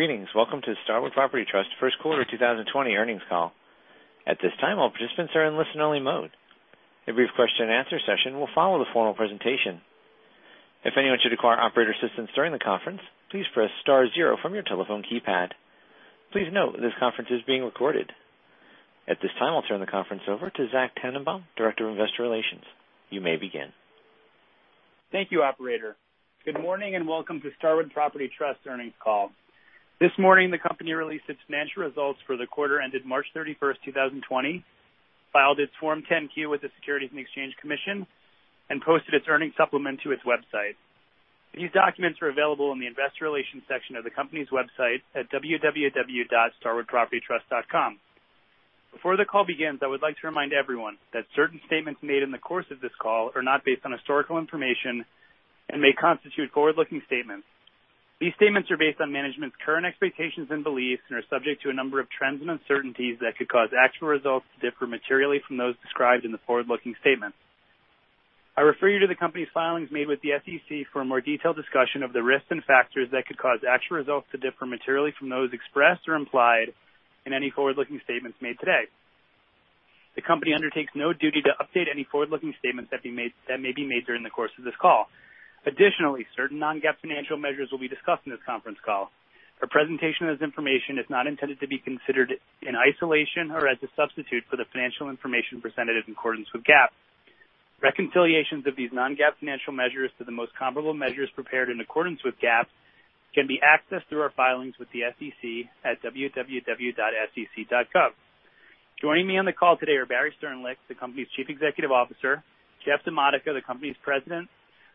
Greetings. Welcome to the Starwood Property Trust first quarter 2020 earnings call. At this time, all participants are in listen-only mode. A brief question-and-answer session will follow the formal presentation. If anyone should require operator assistance during the conference, please press star zero from your telephone keypad. Please note that this conference is being recorded. At this time, I'll turn the conference over to Zach Tanenbaum, Director of Investor Relations. You may begin. Thank you, Operator. Good morning and welcome to the Starwood Property Trust earnings call. This morning, the company released its financial results for the quarter ended March 31st, 2020, filed its Form 10-Q with the Securities and Exchange Commission, and posted its earnings supplement to its website. These documents are available in the Investor Relations section of the company's website at www.starwoodpropertytrust.com. Before the call begins, I would like to remind everyone that certain statements made in the course of this call are not based on historical information and may constitute forward-looking statements. These statements are based on management's current expectations and beliefs and are subject to a number of trends and uncertainties that could cause actual results to differ materially from those described in the forward-looking statements. I refer you to the company's filings made with the SEC for a more detailed discussion of the risks and factors that could cause actual results to differ materially from those expressed or implied in any forward-looking statements made today. The company undertakes no duty to update any forward-looking statements that may be made during the course of this call. Additionally, certain non-GAAP financial measures will be discussed in this conference call. A presentation of this information is not intended to be considered in isolation or as a substitute for the financial information presented in accordance with GAAP. Reconciliations of these non-GAAP financial measures to the most comparable measures prepared in accordance with GAAP can be accessed through our filings with the SEC at www.sec.gov. Joining me on the call today are Barry Sternlicht, the company's Chief Executive Officer, Jeff DiModica, the company's President,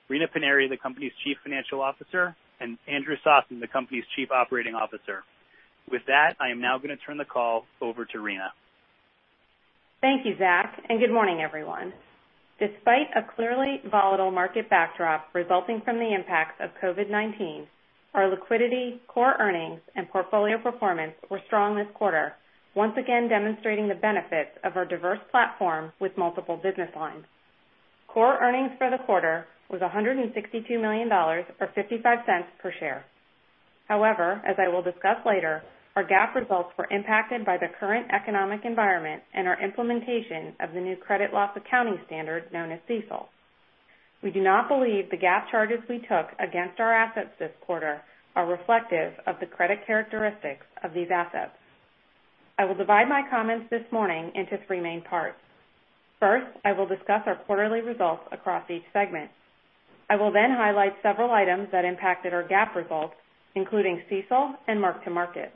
Rina Paniry, the company's Chief Financial Officer, and Andrew Sossen, the company's Chief Operating Officer. With that, I am now going to turn the call over to Rina. Thank you, Zach. And good morning, everyone. Despite a clearly volatile market backdrop resulting from the impacts of COVID-19, our liquidity, core earnings, and portfolio performance were strong this quarter, once again demonstrating the benefits of our diverse platform with multiple business lines. Core earnings for the quarter was $162 million or $0.55 per share. However, as I will discuss later, our GAAP results were impacted by the current economic environment and our implementation of the new credit loss accounting standard known as CECL. We do not believe the GAAP charges we took against our assets this quarter are reflective of the credit characteristics of these assets. I will divide my comments this morning into three main parts. First, I will discuss our quarterly results across each segment. I will then highlight several items that impacted our GAAP results, including CECL and mark-to-market.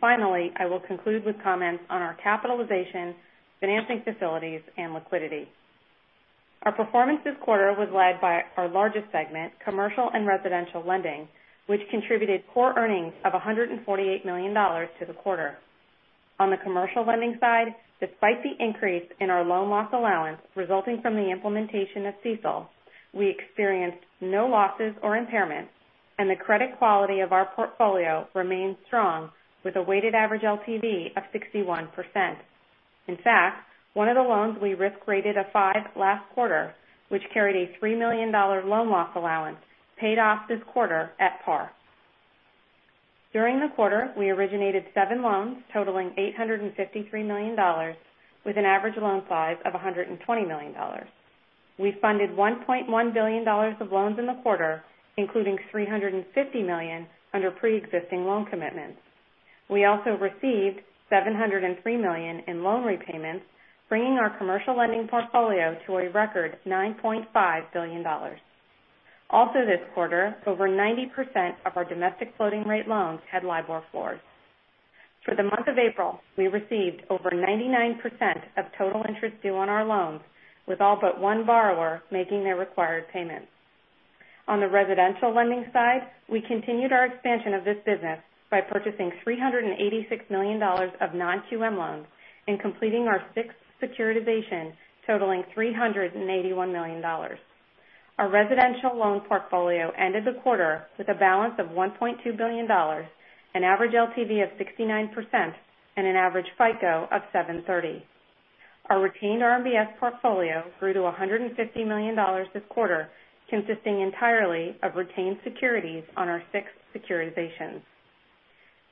Finally, I will conclude with comments on our capitalization, financing facilities, and liquidity. Our performance this quarter was led by our largest segment, Commercial and Residential Lending, which contributed core earnings of $148 million to the quarter. On the commercial lending side, despite the increase in our loan loss allowance resulting from the implementation of CECL, we experienced no losses or impairments, and the credit quality of our portfolio remained strong with a weighted average LTV of 61%. In fact, one of the loans we risk-rated a five last quarter, which carried a $3 million loan loss allowance, paid off this quarter at par. During the quarter, we originated seven loans totaling $853 million, with an average loan size of $120 million. We funded $1.1 billion of loans in the quarter, including $350 million under pre-existing loan commitments. We also received $703 million in loan repayments, bringing our commercial lending portfolio to a record $9.5 billion. Also, this quarter, over 90% of our domestic floating-rate loans had LIBOR floors. For the month of April, we received over 99% of total interest due on our loans, with all but one borrower making their required payments. On the residential lending side, we continued our expansion of this business by purchasing $386 million of non-QM loans and completing our sixth securitization totaling $381 million. Our residential loan portfolio ended the quarter with a balance of $1.2 billion, an average LTV of 69%, and an average FICO of 730. Our retained RMBS portfolio grew to $150 million this quarter, consisting entirely of retained securities on our sixth securitization.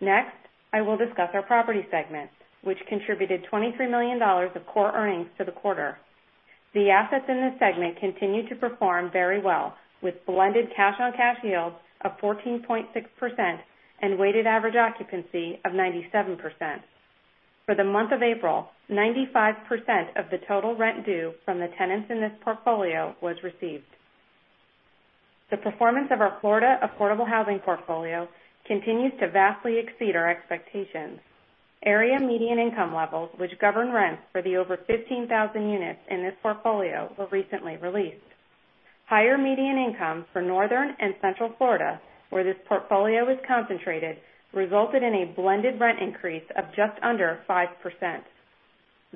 Next, I will discuss our Property segment, which contributed $23 million of core earnings to the quarter. The assets in this segment continue to perform very well, with blended cash-on-cash yields of 14.6% and weighted average occupancy of 97%. For the month of April, 95% of the total rent due from the tenants in this portfolio was received. The performance of our Florida affordable housing portfolio continues to vastly exceed our expectations. Area median income levels, which govern rents for the over 15,000 units in this portfolio, were recently released. Higher median incomes for northern and central Florida, where this portfolio is concentrated, resulted in a blended rent increase of just under 5%.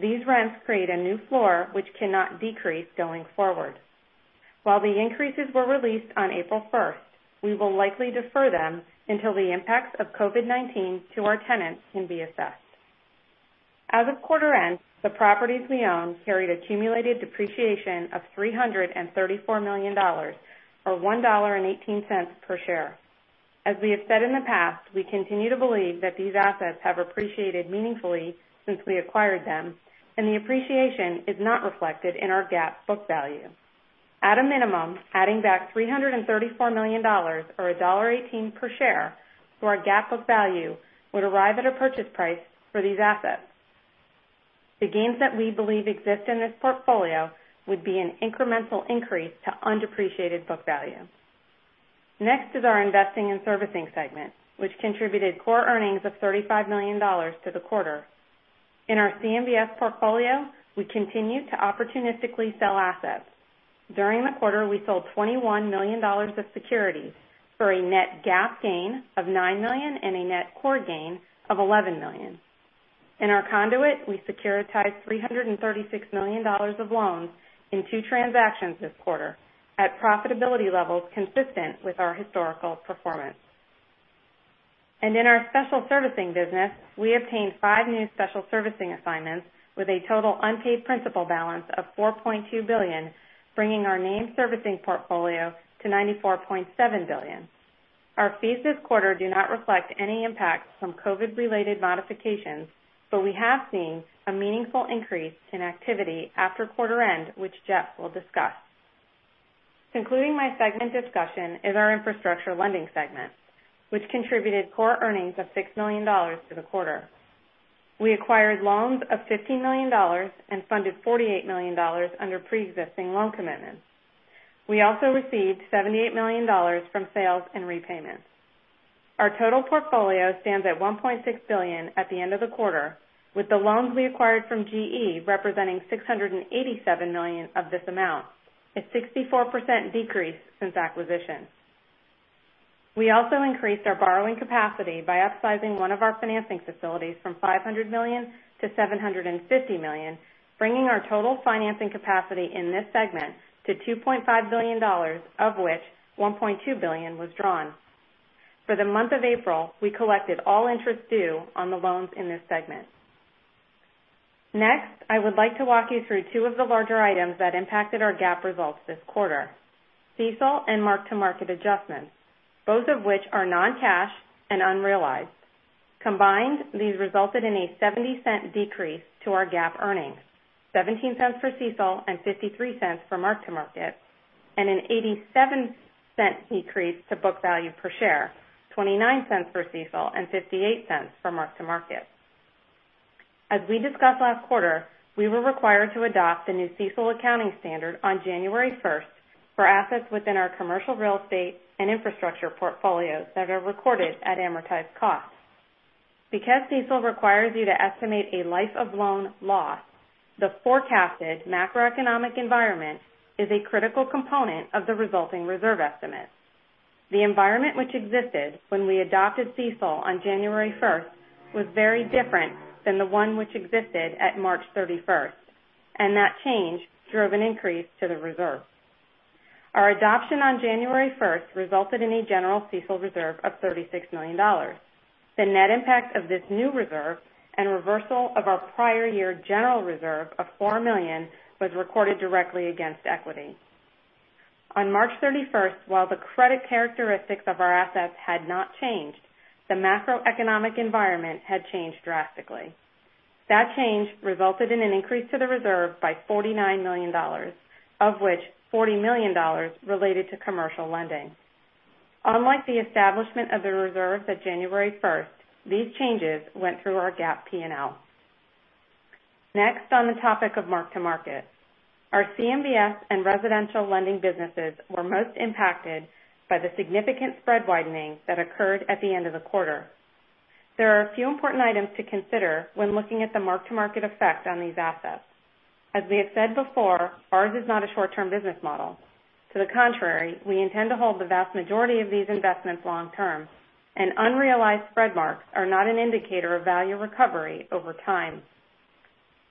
These rents create a new floor which cannot decrease going forward. While the increases were released on April 1st, we will likely defer them until the impacts of COVID-19 to our tenants can be assessed. As of quarter end, the properties we own carried accumulated depreciation of $334 million or $1.18 per share. As we have said in the past, we continue to believe that these assets have appreciated meaningfully since we acquired them, and the appreciation is not reflected in our GAAP book value. At a minimum, adding back $334 million or $1.18 per share to our GAAP book value would arrive at a purchase price for these assets. The gains that we believe exist in this portfolio would be an incremental increase to undepreciated book value. Next is our Investing and Servicing segment, which contributed core earnings of $35 million to the quarter. In our CMBS portfolio, we continue to opportunistically sell assets. During the quarter, we sold $21 million of securities for a net GAAP gain of $9 million and a net core gain of $11 million. In our conduit, we securitized $336 million of loans in two transactions this quarter at profitability levels consistent with our historical performance. In our special servicing business, we obtained five new special servicing assignments with a total unpaid principal balance of $4.2 billion, bringing our named servicing portfolio to $94.7 billion. Our fees this quarter do not reflect any impacts from COVID-related modifications, but we have seen a meaningful increase in activity after quarter end, which Jeff will discuss. Concluding my segment discussion is our Infrastructure Lending segment, which contributed core earnings of $6 million to the quarter. We acquired loans of $15 million and funded $48 million under pre-existing loan commitments. We also received $78 million from sales and repayments. Our total portfolio stands at $1.6 billion at the end of the quarter, with the loans we acquired from GE representing $687 million of this amount, a 64% decrease since acquisition. We also increased our borrowing capacity by upsizing one of our financing facilities from $500 million-$750 million, bringing our total financing capacity in this segment to $2.5 billion, of which $1.2 billion was drawn. For the month of April, we collected all interest due on the loans in this segment. Next, I would like to walk you through two of the larger items that impacted our GAAP results this quarter: CECL and mark-to-market adjustments, both of which are non-cash and unrealized. Combined, these resulted in a $0.70 decrease to our GAAP earnings: $0.17 for CECL and $0.53 for mark-to-market, and a $0.87 decrease to book value per share: $0.29 for CECL and $0.58 for mark-to-market. As we discussed last quarter, we were required to adopt the new CECL accounting standard on January 1st for assets within our commercial real estate and infrastructure portfolios that are recorded at amortized cost. Because CECL requires you to estimate a life-of-loan loss, the forecasted macroeconomic environment is a critical component of the resulting reserve estimate. The environment which existed when we adopted CECL on January 1st was very different than the one which existed at March 31st, and that change drove an increase to the reserve. Our adoption on January 1st resulted in a general CECL reserve of $36 million. The net impact of this new reserve and reversal of our prior year general reserve of $4 million was recorded directly against equity. On March 31st, while the credit characteristics of our assets had not changed, the macroeconomic environment had changed drastically. That change resulted in an increase to the reserve by $49 million, of which $40 million related to commercial lending. Unlike the establishment of the reserve that January 1st, these changes went through our GAAP P&L. Next, on the topic of mark-to-market, our CMBS and residential lending businesses were most impacted by the significant spread widening that occurred at the end of the quarter. There are a few important items to consider when looking at the mark-to-market effect on these assets. As we have said before, ours is not a short-term business model. To the contrary, we intend to hold the vast majority of these investments long-term, and unrealized spread marks are not an indicator of value recovery over time.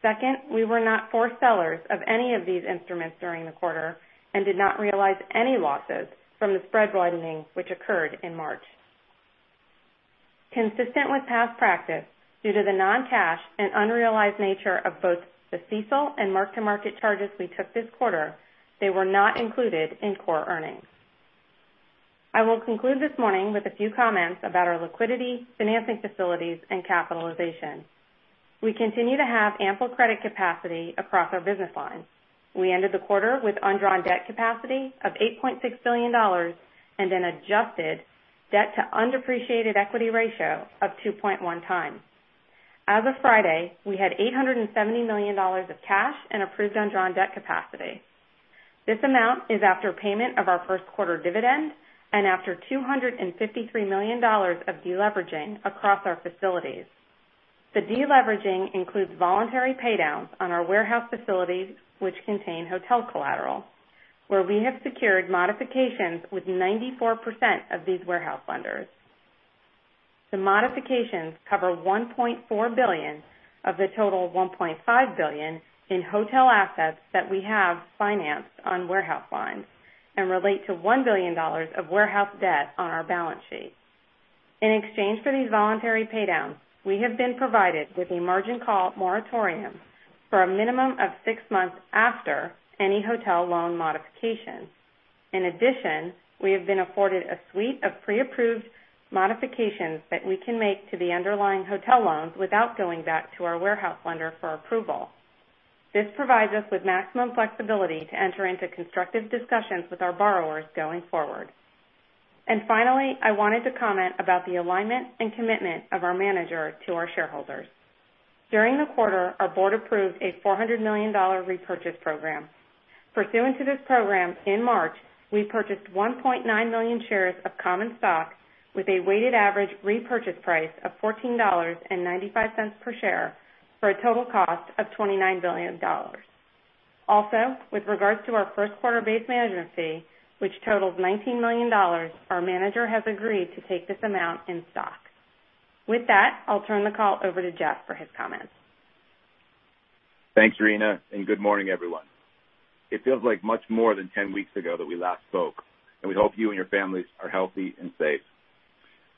Second, we were not forced sellers of any of these instruments during the quarter and did not realize any losses from the spread widening which occurred in March. Consistent with past practice, due to the non-cash and unrealized nature of both the CECL and mark-to-market charges we took this quarter, they were not included in core earnings. I will conclude this morning with a few comments about our liquidity, financing facilities, and capitalization. We continue to have ample credit capacity across our business lines. We ended the quarter with undrawn debt capacity of $8.6 billion and an adjusted debt-to-undepreciated equity ratio of 2.1x. As of Friday, we had $870 million of cash and approved undrawn debt capacity. This amount is after payment of our first quarter dividend and after $253 million of deleveraging across our facilities. The deleveraging includes voluntary paydowns on our warehouse facilities, which contain hotel collateral, where we have secured modifications with 94% of these warehouse lenders. The modifications cover $1.4 billion of the total $1.5 billion in hotel assets that we have financed on warehouse lines and relate to $1 billion of warehouse debt on our balance sheet. In exchange for these voluntary paydowns, we have been provided with a margin call moratorium for a minimum of six months after any hotel loan modification. In addition, we have been afforded a suite of pre-approved modifications that we can make to the underlying hotel loans without going back to our warehouse lender for approval. This provides us with maximum flexibility to enter into constructive discussions with our borrowers going forward. And finally, I wanted to comment about the alignment and commitment of our manager to our shareholders. During the quarter, our board approved a $400 million repurchase program. Pursuant to this program, in March, we purchased 1.9 million shares of common stock with a weighted average repurchase price of $14.95 per share for a total cost of $29 million. Also, with regards to our first quarter base management fee, which totals $19 million, our manager has agreed to take this amount in stock. With that, I'll turn the call over to Jeff for his comments. Thanks, Rina, and good morning, everyone. It feels like much more than 10 weeks ago that we last spoke, and we hope you and your families are healthy and safe.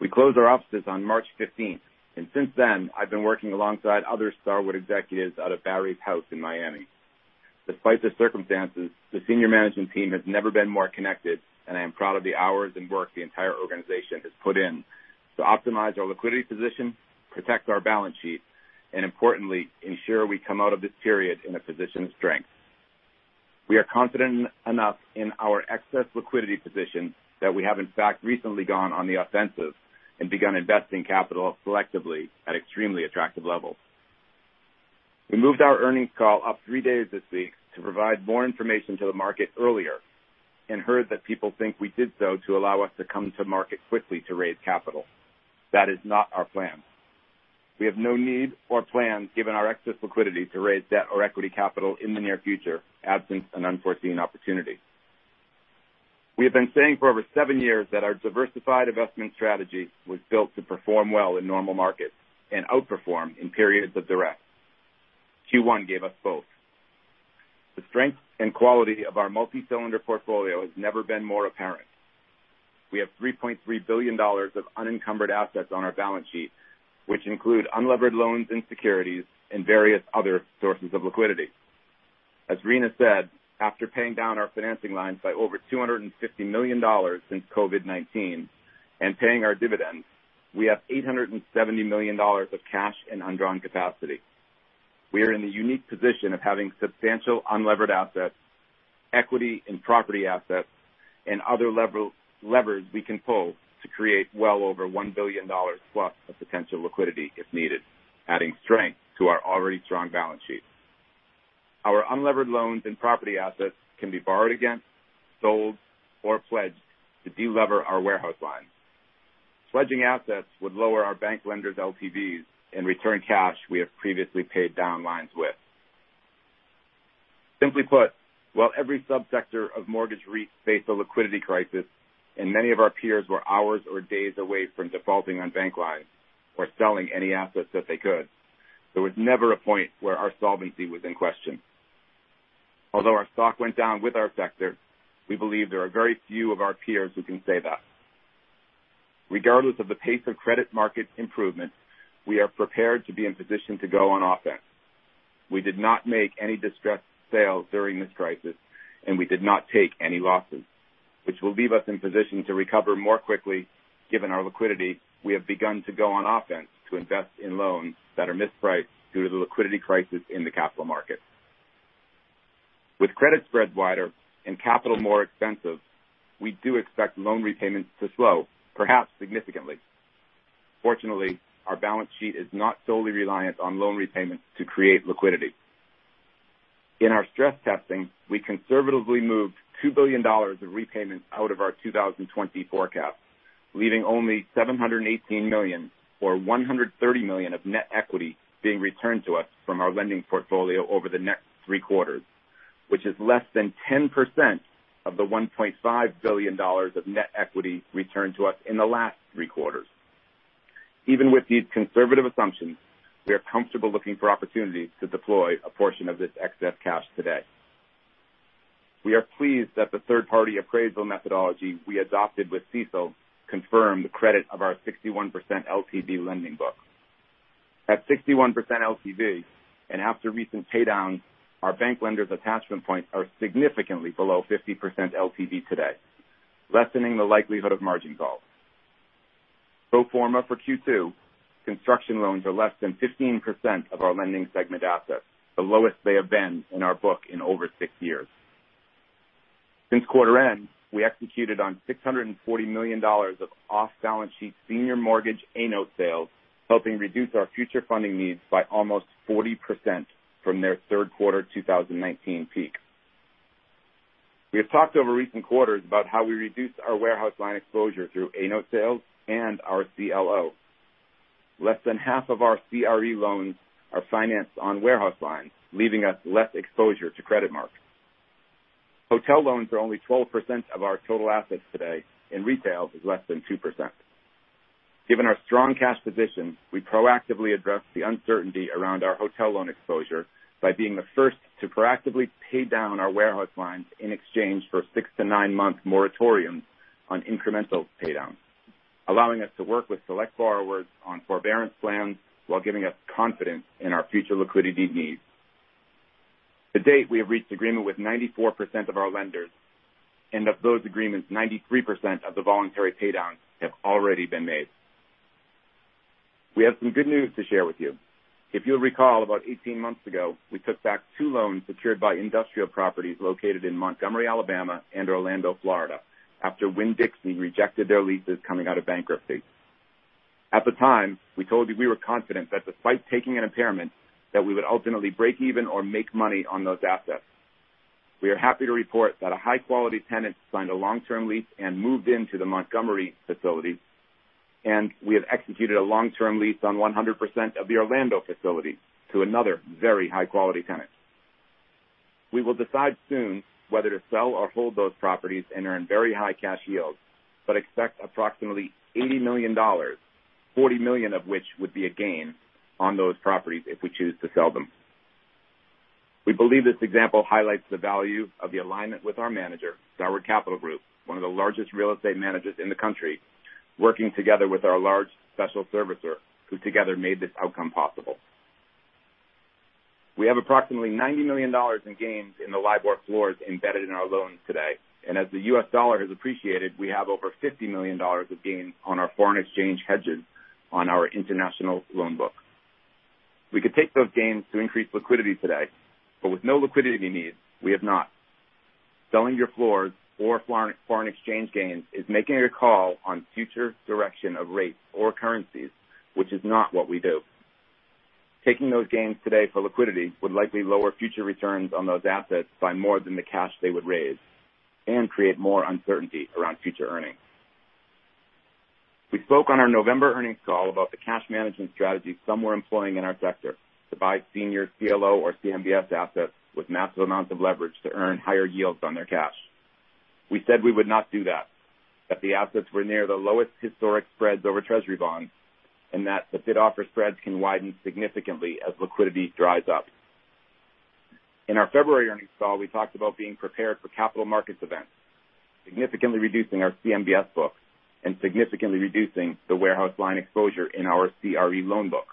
We closed our offices on March 15th, and since then, I've been working alongside other Starwood executives out of Barry's house in Miami. Despite the circumstances, the senior management team has never been more connected, and I am proud of the hours and work the entire organization has put in to optimize our liquidity position, protect our balance sheet, and importantly, ensure we come out of this period in a position of strength. We are confident enough in our excess liquidity position that we have, in fact, recently gone on the offensive and begun investing capital selectively at extremely attractive levels. We moved our earnings call up three days this week to provide more information to the market earlier and heard that people think we did so to allow us to come to market quickly to raise capital. That is not our plan. We have no need or plan, given our excess liquidity, to raise debt or equity capital in the near future absent an unforeseen opportunity. We have been saying for over seven years that our diversified investment strategy was built to perform well in normal markets and outperform in periods of distress. Q1 gave us both. The strength and quality of our multi-cylinder portfolio has never been more apparent. We have $3.3 billion of unencumbered assets on our balance sheet, which include unlevered loans and securities and various other sources of liquidity. As Rina said, after paying down our financing lines by over $250 million since COVID-19 and paying our dividends, we have $870 million of cash and undrawn capacity. We are in the unique position of having substantial unlevered assets, equity and property assets, and other levers we can pull to create well over $1 billion+ of potential liquidity if needed, adding strength to our already strong balance sheet. Our unlevered loans and property assets can be borrowed against, sold, or pledged to de-lever our warehouse lines. Pledging assets would lower our bank lenders' LTVs and return cash we have previously paid down lines with. Simply put, while every subsector of mortgage REITs faced a liquidity crisis and many of our peers were hours or days away from defaulting on bank lines or selling any assets that they could, there was never a point where our solvency was in question. Although our stock went down with our sector, we believe there are very few of our peers who can say that. Regardless of the pace of credit market improvement, we are prepared to be in position to go on offense. We did not make any distressed sales during this crisis, and we did not take any losses, which will leave us in position to recover more quickly given our liquidity. We have begun to go on offense to invest in loans that are mispriced due to the liquidity crisis in the capital market. With credit spreads wider and capital more expensive, we do expect loan repayments to slow, perhaps significantly. Fortunately, our balance sheet is not solely reliant on loan repayments to create liquidity. In our stress testing, we conservatively moved $2 billion of repayments out of our 2020 forecast, leaving only $718 million or $130 million of net equity being returned to us from our lending portfolio over the next three quarters, which is less than 10% of the $1.5 billion of net equity returned to us in the last three quarters. Even with these conservative assumptions, we are comfortable looking for opportunities to deploy a portion of this excess cash today. We are pleased that the third-party appraisal methodology we adopted with CECL confirmed the credit of our 61% LTV lending book. At 61% LTV and after recent paydowns, our bank lenders' attachment points are significantly below 50% LTV today, lessening the likelihood of margin calls. Pro forma for Q2, construction loans are less than 15% of our lending segment assets, the lowest they have been in our book in over six years. Since quarter end, we executed on $640 million of off-balance sheet senior mortgage A-note sales, helping reduce our future funding needs by almost 40% from their third quarter 2019 peak. We have talked over recent quarters about how we reduced our warehouse line exposure through A-note sales and our CLO. Less than half of our CRE loans are financed on warehouse lines, leaving us less exposure to credit marks. Hotel loans are only 12% of our total assets today, and retail is less than 2%. Given our strong cash position, we proactively addressed the uncertainty around our hotel loan exposure by being the first to proactively pay down our warehouse lines in exchange for six-to-nine-month moratoriums on incremental paydowns, allowing us to work with select borrowers on forbearance plans while giving us confidence in our future liquidity needs. To date, we have reached agreement with 94% of our lenders, and of those agreements, 93% of the voluntary paydowns have already been made. We have some good news to share with you. If you'll recall, about 18 months ago, we took back two loans secured by industrial properties located in Montgomery, Alabama, and Orlando, Florida, after Winn-Dixie rejected their leases coming out of bankruptcy. At the time, we told you we were confident that despite taking an impairment, that we would ultimately break even or make money on those assets. We are happy to report that a high-quality tenant signed a long-term lease and moved into the Montgomery facilities, and we have executed a long-term lease on 100% of the Orlando facilities to another very high-quality tenant. We will decide soon whether to sell or hold those properties and earn very high cash yields, but expect approximately $80 million, $40 million of which would be a gain on those properties if we choose to sell them. We believe this example highlights the value of the alignment with our manager, Starwood Capital Group, one of the largest real estate managers in the country, working together with our large special servicer who together made this outcome possible. We have approximately $90 million in gains in the LIBOR floors embedded in our loans today, and as the U.S. dollar has appreciated, we have over $50 million of gains on our foreign exchange hedges on our international loan book. We could take those gains to increase liquidity today, but with no liquidity needs, we have not. Selling our floors or foreign exchange gains is making a call on future direction of rates or currencies, which is not what we do. Taking those gains today for liquidity would likely lower future returns on those assets by more than the cash they would raise and create more uncertainty around future earnings. We spoke on our November earnings call about the cash management strategy some were employing in our sector to buy senior CLO or CMBS assets with massive amounts of leverage to earn higher yields on their cash. We said we would not do that, that the assets were near the lowest historic spreads over Treasury bonds and that the bid-offer spreads can widen significantly as liquidity dries up. In our February earnings call, we talked about being prepared for capital markets events, significantly reducing our CMBS book and significantly reducing the warehouse line exposure in our CRE loan book.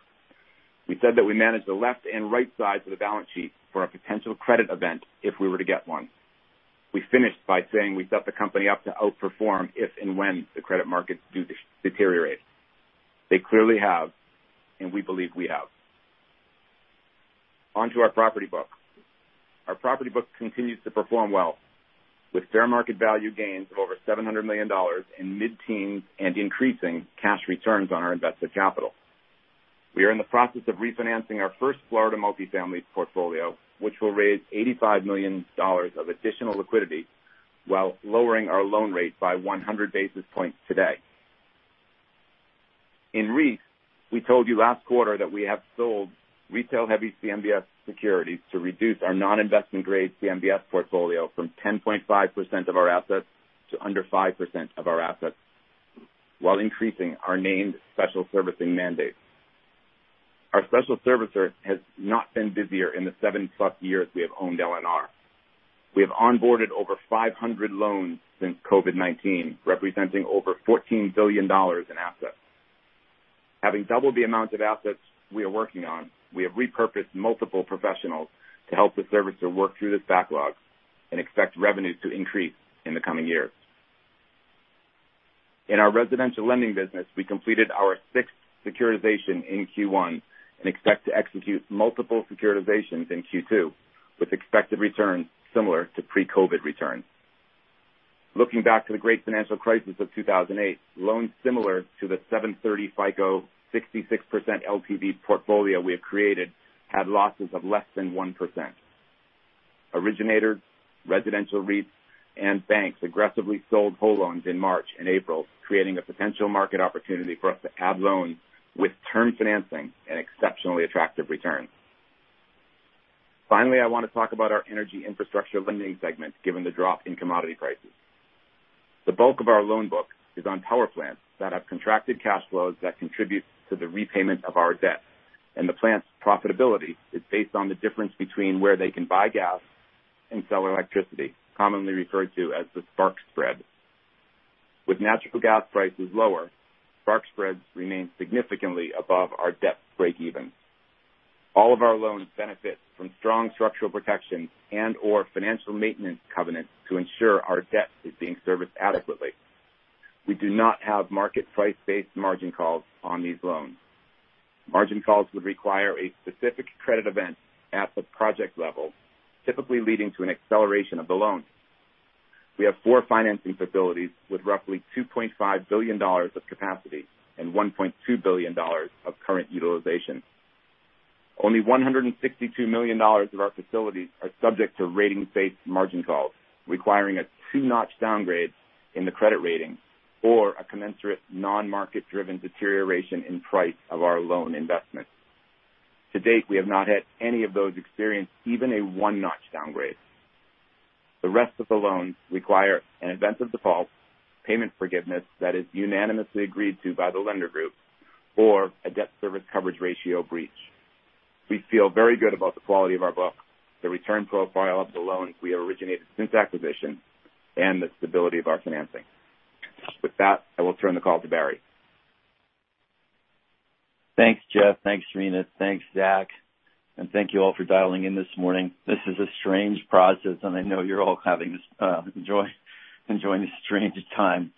We said that we managed the left and right sides of the balance sheet for a potential credit event if we were to get one. We finished by saying we set the company up to outperform if and when the credit markets do deteriorate. They clearly have, and we believe we have. Onto our property book. Our property book continues to perform well with fair market value gains of over $700 million in mid-teens and increasing cash returns on our invested capital. We are in the process of refinancing our first Florida multi-family portfolio, which will raise $85 million of additional liquidity while lowering our loan rate by 100 basis points today. In REITs, we told you last quarter that we have sold retail-heavy CMBS securities to reduce our non-investment-grade CMBS portfolio from 10.5% of our assets to under 5% of our assets while increasing our named special servicing mandates. Our special servicer has not been busier in the seven-plus years we have owned LNR. We have onboarded over 500 loans since COVID-19, representing over $14 billion in assets. Having doubled the amount of assets we are working on, we have repurposed multiple professionals to help the servicer work through this backlog and expect revenues to increase in the coming years. In our residential lending business, we completed our sixth securitization in Q1 and expect to execute multiple securitizations in Q2 with expected returns similar to pre-COVID returns. Looking back to the great financial crisis of 2008, loans similar to the 730 FICO 66% LTV portfolio we have created had losses of less than 1%. Originators, residential REITs, and banks aggressively sold whole loans in March and April, creating a potential market opportunity for us to add loans with term financing and exceptionally attractive returns. Finally, I want to talk about our energy Infrastructure Lending segment given the drop in commodity prices. The bulk of our loan book is on power plants that have contracted cash flows that contribute to the repayment of our debt, and the plant's profitability is based on the difference between where they can buy gas and sell electricity, commonly referred to as the spark spread. With natural gas prices lower, spark spreads remain significantly above our debt breakeven. All of our loans benefit from strong structural protections and/or financial maintenance covenants to ensure our debt is being serviced adequately. We do not have market price-based margin calls on these loans. Margin calls would require a specific credit event at the project level, typically leading to an acceleration of the loan. We have four financing facilities with roughly $2.5 billion of capacity and $1.2 billion of current utilization. Only $162 million of our facilities are subject to rating-based margin calls requiring a two-notch downgrade in the credit rating or a commensurate non-market-driven deterioration in price of our loan investment. To date, we have not had any of those experience even a one-notch downgrade. The rest of the loans require an event of default, payment forgiveness that is unanimously agreed to by the lender group, or a debt service coverage ratio breach. We feel very good about the quality of our book, the return profile of the loans we have originated since acquisition, and the stability of our financing. With that, I will turn the call to Barry. Thanks, Jeff. Thanks, Rina. Thanks, Zach. And thank you all for dialing in this morning. This is a strange process, and I know you're all having this enjoying this strange time.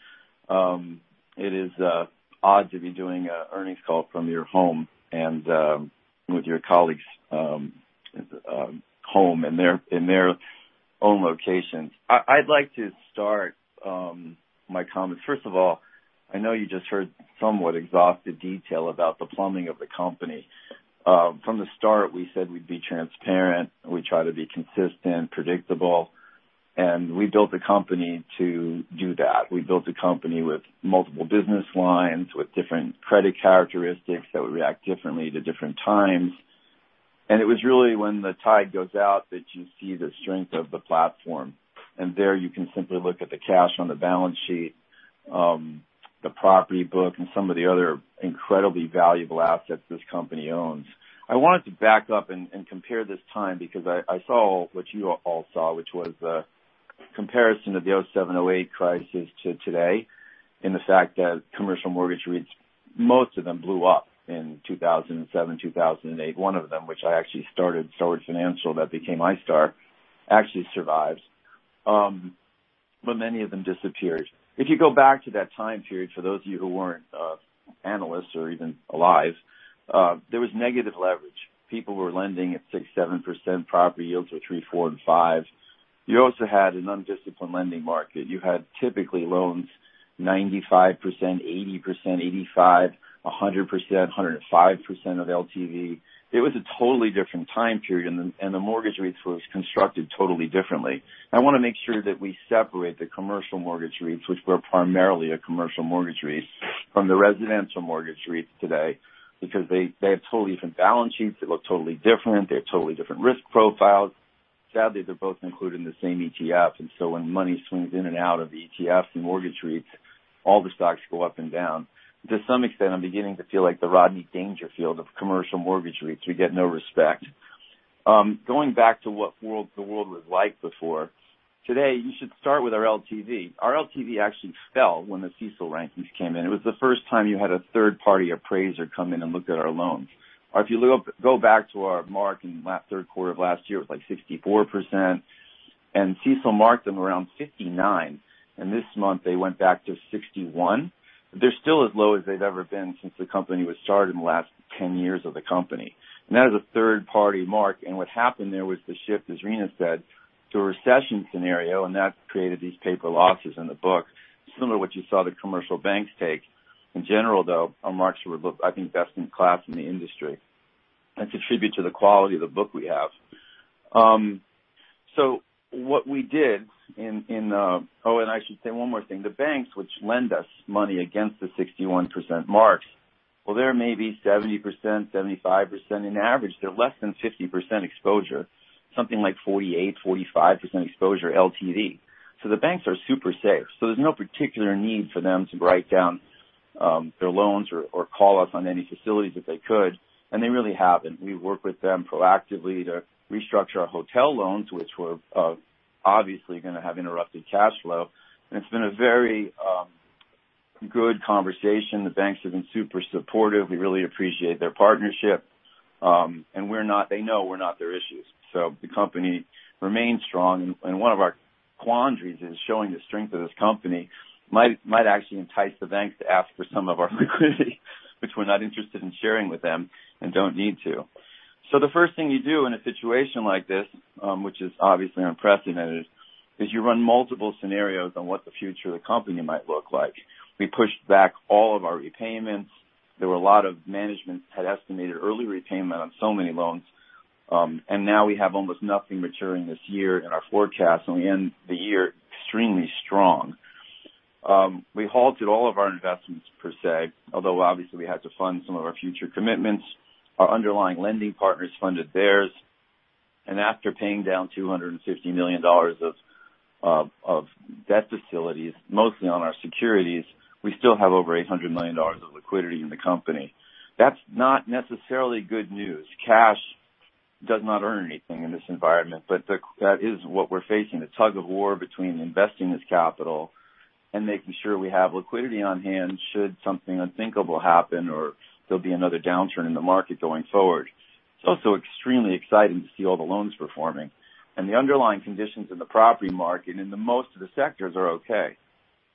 It is odd to be doing an earnings call from your home and with your colleagues' home in their own locations. I'd like to start my comments. First of all, I know you just heard somewhat exhaustive detail about the plumbing of the company. From the start, we said we'd be transparent. We try to be consistent, predictable, and we built the company to do that. We built a company with multiple business lines with different credit characteristics that would react differently to different times, and it was really when the tide goes out that you see the strength of the platform, and there you can simply look at the cash on the balance sheet, the property book, and some of the other incredibly valuable assets this company owns. I wanted to back up and compare this time because I saw what you all saw, which was the comparison of the 2007, 2008 crisis to today in the fact that commercial mortgage REITs, most of them blew up in 2007, 2008. One of them, which I actually started Starwood Financial that became iStar, actually survived, but many of them disappeared. If you go back to that time period, for those of you who weren't analysts or even alive, there was negative leverage. People were lending at 6%-7%. Property yields were 3%, 4%, and 5%. You also had an undisciplined lending market. You had typically loans 95%, 80%, 85%, 100%, 105% of LTV. It was a totally different time period, and the mortgage REITs were constructed totally differently. I want to make sure that we separate the commercial mortgage REITs, which were primarily a commercial mortgage REIT, from the residential mortgage REITs today because they have totally different balance sheets. They look totally different. They have totally different risk profiles. Sadly, they're both included in the same ETF, and so when money swings in and out of the ETFs and mortgage REITs, all the stocks go up and down. To some extent, I'm beginning to feel like the Rodney Dangerfield of commercial mortgage REITs. We get no respect. Going back to what the world was like before, today you should start with our LTV. Our LTV actually fell when the CECL rankings came in. It was the first time you had a third-party appraiser come in and look at our loans. If you go back to our mark in the last third quarter of last year, it was like 64%, and CECL marked them around 59%, and this month they went back to 61%. They're still as low as they've ever been since the company was started in the last 10 years of the company. And that is a third-party mark, and what happened there was the shift, as Rina said, to a recession scenario, and that created these paper losses in the book, similar to what you saw the commercial banks take. In general, though, our marks were, I think, best in class in the industry. That's a tribute to the quality of the book we have. So what we did in. Oh, and I should say one more thing. The banks which lend us money against the 61% marks, well, they're maybe 70%, 75%. On average, they're less than 50% exposure, something like 48%-45% exposure LTV. So the banks are super safe. So there's no particular need for them to write down their loans or call us on any facilities if they could, and they really haven't. We work with them proactively to restructure our hotel loans, which were obviously going to have interrupted cash flow, and it's been a very good conversation. The banks have been super supportive. We really appreciate their partnership, and they know we're not their issues. So the company remains strong, and one of our quandaries is showing the strength of this company might actually entice the banks to ask for some of our liquidity, which we're not interested in sharing with them and don't need to. So the first thing you do in a situation like this, which is obviously unprecedented, is you run multiple scenarios on what the future of the company might look like. We pushed back all of our repayments. There were a lot of management had estimated early repayment on so many loans, and now we have almost nothing maturing this year in our forecast, and we end the year extremely strong. We halted all of our investments, per se, although obviously we had to fund some of our future commitments. Our underlying lending partners funded theirs, and after paying down $250 million of debt facilities, mostly on our securities, we still have over $800 million of liquidity in the company. That's not necessarily good news. Cash does not earn anything in this environment, but that is what we're facing. The tug-of-war between investing this capital and making sure we have liquidity on hand should something unthinkable happen or there'll be another downturn in the market going forward. It's also extremely exciting to see all the loans performing, and the underlying conditions in the property market and in most of the sectors are okay.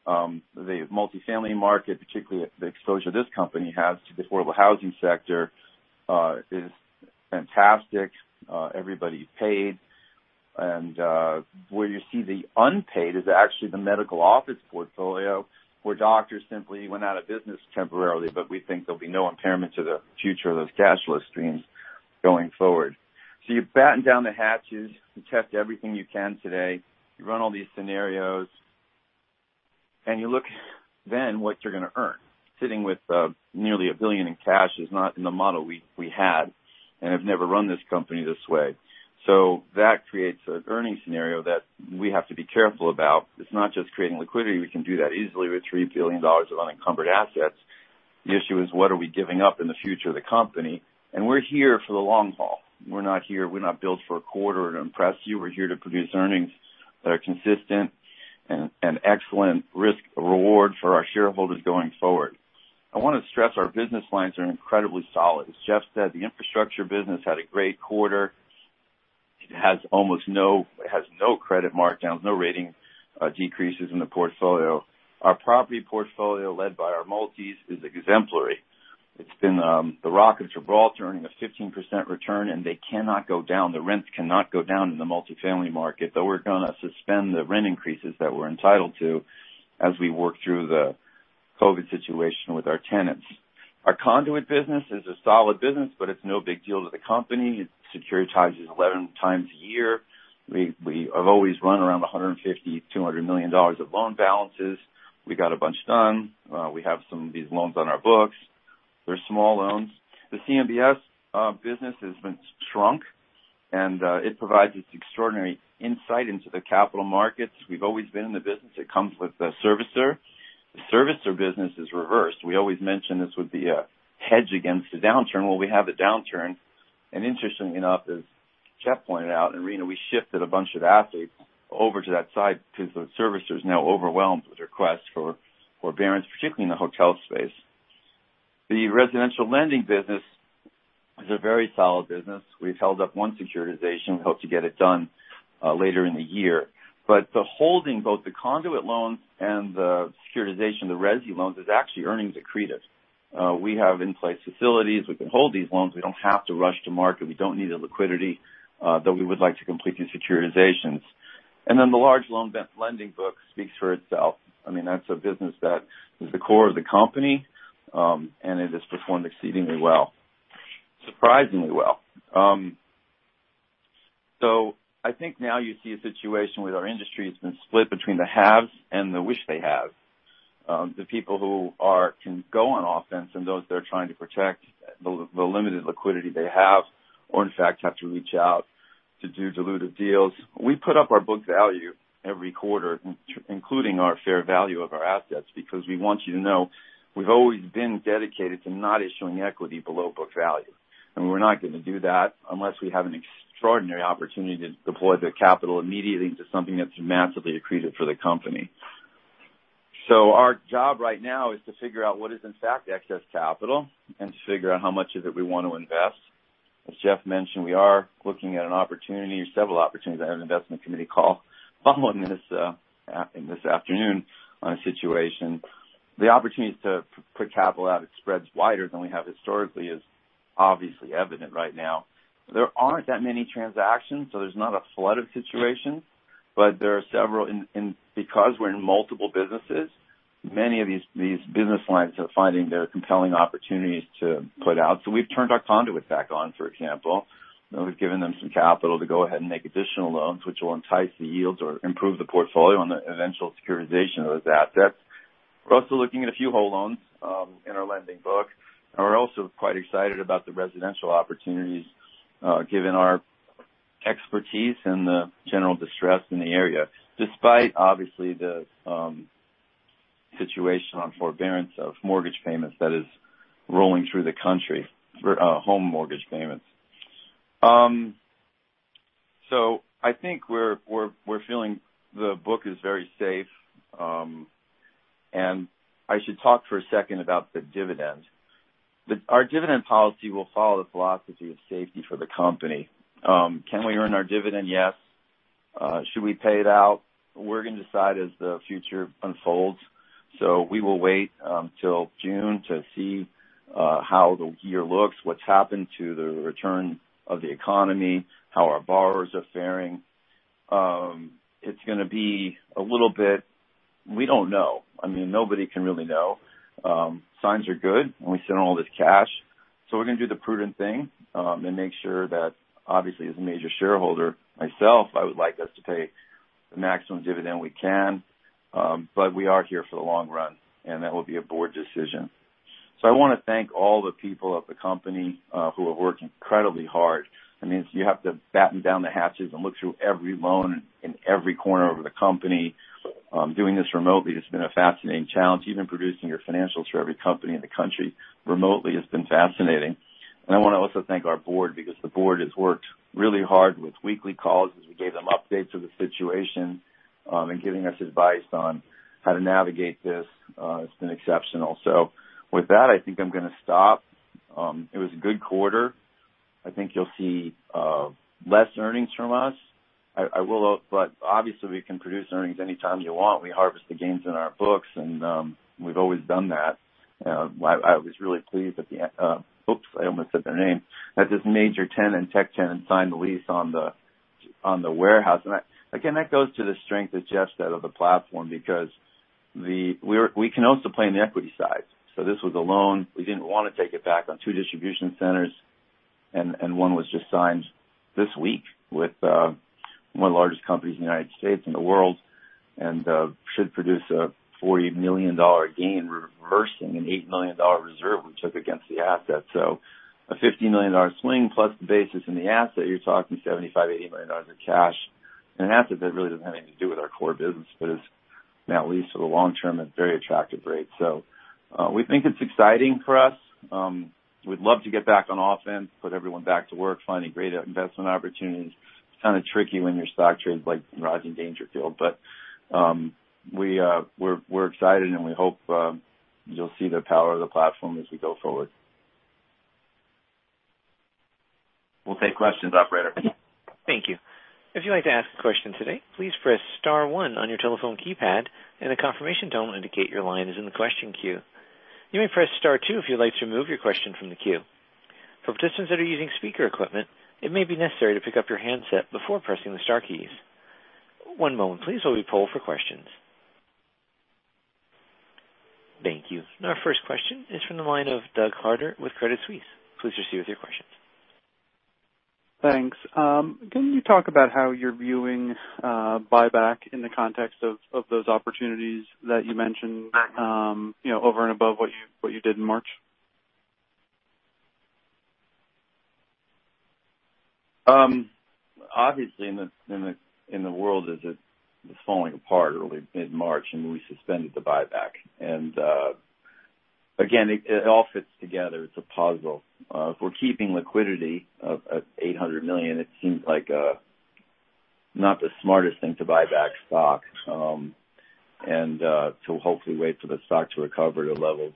The multifamily market, particularly the exposure this company has to the affordable housing sector, is fantastic. Everybody paid, and where you see the unpaid is actually the medical office portfolio where doctors simply went out of business temporarily, but we think there'll be no impairment to the future of those cash flow streams going forward. So you batten down the hatches, you test everything you can today, you run all these scenarios, and you look then what you're going to earn. Sitting with nearly $1 billion in cash is not in the model we had, and I've never run this company this way. So that creates an earnings scenario that we have to be careful about. It's not just creating liquidity. We can do that easily with $3 billion of unencumbered assets. The issue is what are we giving up in the future of the company, and we're here for the long haul. We're not built for a quarter to impress you. We're here to produce earnings that are consistent and excellent risk-reward for our shareholders going forward. I want to stress our business lines are incredibly solid. As Jeff said, the infrastructure business had a great quarter. It has almost no credit markdowns, no rating decreases in the portfolio. Our property portfolio led by our multis is exemplary. It's been the Rock of Gibraltar, earning a 15% return, and they cannot go down. The rents cannot go down in the multifamily market, though we're going to suspend the rent increases that we're entitled to as we work through the COVID situation with our tenants. Our conduit business is a solid business, but it's no big deal to the company. It securitizes 11 times a year. We have always run around $150 million-$200 million of loan balances. We got a bunch done. We have some of these loans on our books. They're small loans. The CMBS business has been shrunk, and it provides this extraordinary insight into the capital markets. We've always been in the business. It comes with the servicer. The servicer business is reversed. We always mention this would be a hedge against a downturn. Well, we have a downturn. And interestingly enough, as Jeff pointed out and Rina, we shifted a bunch of assets over to that side because the servicer is now overwhelmed with requests for forbearance, particularly in the hotel space. The residential lending business is a very solid business. We've held up one securitization. We hope to get it done later in the year. But the holding, both the conduit loans and the securitization, the resi loans, is actually earnings accretive. We have in-place facilities. We can hold these loans. We don't have to rush to market. We don't need the liquidity, though we would like to complete these securitizations. And then the large loan lending book speaks for itself. I mean, that's a business that is the core of the company, and it has performed exceedingly well, surprisingly well. So, I think now you see a situation where our industry has been split between the haves and the have-nots. The people who can go on offense and those they're trying to protect, the limited liquidity they have, or in fact have to reach out to do diluted deals. We put up our book value every quarter, including our fair value of our assets, because we want you to know we've always been dedicated to not issuing equity below book value. And we're not going to do that unless we have an extraordinary opportunity to deploy the capital immediately into something that's massively accretive for the company. So our job right now is to figure out what is in fact excess capital and to figure out how much of it we want to invest. As Jeff mentioned, we are looking at an opportunity or several opportunities. I had an investment committee call following this afternoon on a situation. The opportunities to put capital out, it spreads wider than we have historically, is obviously evident right now. There aren't that many transactions, so there's not a flood of situations, but there are several, and because we're in multiple businesses, many of these business lines are finding their compelling opportunities to put out, so we've turned our conduit back on, for example. We've given them some capital to go ahead and make additional loans, which will entice the yields or improve the portfolio on the eventual securitization of those assets. We're also looking at a few whole loans in our lending book. We're also quite excited about the residential opportunities, given our expertise and the general distress in the area, despite obviously the situation on forbearance of mortgage payments that is rolling through the country, home mortgage payments. So I think we're feeling the book is very safe, and I should talk for a second about the dividend. Our dividend policy will follow the philosophy of safety for the company. Can we earn our dividend? Yes. Should we pay it out? We're going to decide as the future unfolds. So we will wait until June to see how the year looks, what's happened to the return of the economy, how our borrowers are faring. It's going to be a little bit, we don't know. I mean, nobody can really know. Signs are good, and we sent all this cash. So we're going to do the prudent thing and make sure that, obviously, as a major shareholder, myself, I would like us to pay the maximum dividend we can, but we are here for the long run, and that will be a board decision. I want to thank all the people at the company who have worked incredibly hard. I mean, you have to batten down the hatches and look through every loan in every corner of the company. Doing this remotely has been a fascinating challenge. Even producing your financials for every company in the country remotely has been fascinating. I want to also thank our board because the board has worked really hard with weekly calls as we gave them updates of the situation and giving us advice on how to navigate this. It's been exceptional. With that, I think I'm going to stop. It was a good quarter. I think you'll see less earnings from us. Obviously, we can produce earnings anytime you want. We harvest the gains in our books, and we've always done that. I was really pleased that the, oops, I almost said their name, that this major tenant, tech tenant, signed the lease on the warehouse. And again, that goes to the strength that Jeff said of the platform because we can also play on the equity side. So this was a loan. We didn't want to take it back on two distribution centers, and one was just signed this week with one of the largest companies in the United States and the world and should produce a $40 million gain reversing an $8 million reserve we took against the asset. So a $50 million swing plus the basis in the asset, you're talking $75 million-$80 million of cash in an asset that really doesn't have anything to do with our core business but is now leased for the long term at very attractive rates. So we think it's exciting for us. We'd love to get back on offense, put everyone back to work, finding great investment opportunities. It's kind of tricky when your stock trades like Rodney Dangerfield, but we're excited, and we hope you'll see the power of the platform as we go forward. We'll take questions, Operator. Thank you. If you'd like to ask a question today, please press star one on your telephone keypad, and a confirmation tone will indicate your line is in the question queue. You may press star two if you'd like to remove your question from the queue. For participants that are using speaker equipment, it may be necessary to pick up your handset before pressing the star keys. One moment, please, while we poll for questions. Thank you. Now, our first question is from the line of Doug Harter with Credit Suisse. Please proceed with your questions. Thanks. Can you talk about how you're viewing buyback in the context of those opportunities that you mentioned over and above what you did in March? Obviously, in the world, it's falling apart early mid-March, and we suspended the buyback. And again, it all fits together. It's a puzzle. If we're keeping liquidity at $800 million, it seems like not the smartest thing to buy back stock and to hopefully wait for the stock to recover to levels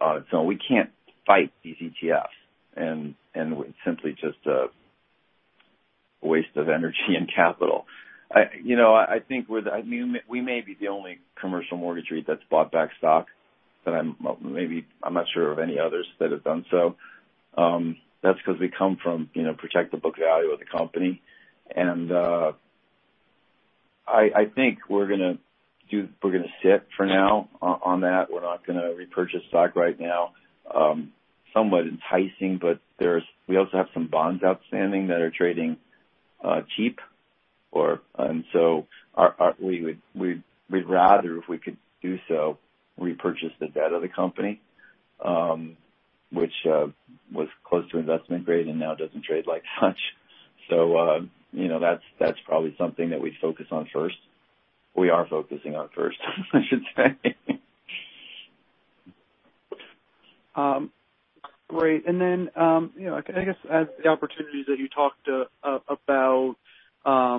on its own. We can't fight these ETFs, and it's simply just a waste of energy and capital. I think we may be the only commercial mortgage REIT that's bought back stock, but I'm not sure of any others that have done so. That's because we come from protect the book value of the company. And I think we're going to sit for now on that. We're not going to repurchase stock right now. Somewhat enticing, but we also have some bonds outstanding that are trading cheap. And so we'd rather, if we could do so, repurchase the debt of the company, which was close to investment grade and now doesn't trade like such. So that's probably something that we'd focus on first. We are focusing on first, I should say. Great. And then I guess, as the opportunities that you talked about, I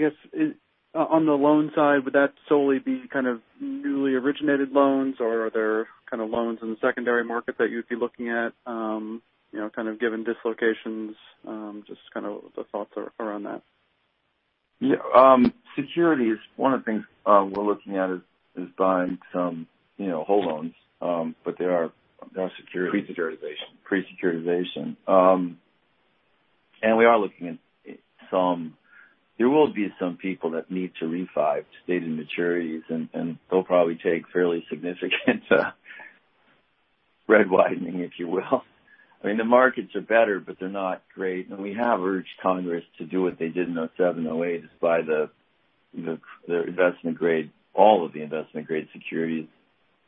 guess, on the loan side, would that solely be kind of newly originated loans, or are there kind of loans in the secondary market that you'd be looking at, kind of given dislocations, just kind of the thoughts around that? Securities is one of the things we're looking at is buying some whole loans, but there are securities. Pre-securitization. Pre-securitization. We are looking at some. There will be some people that need to refi their debt and maturities, and they'll probably take fairly significant spread widening, if you will. I mean, the markets are better, but they're not great. We have urged Congress to do what they did in 2007, 2008, is buy the investment grade, all of the investment grade securities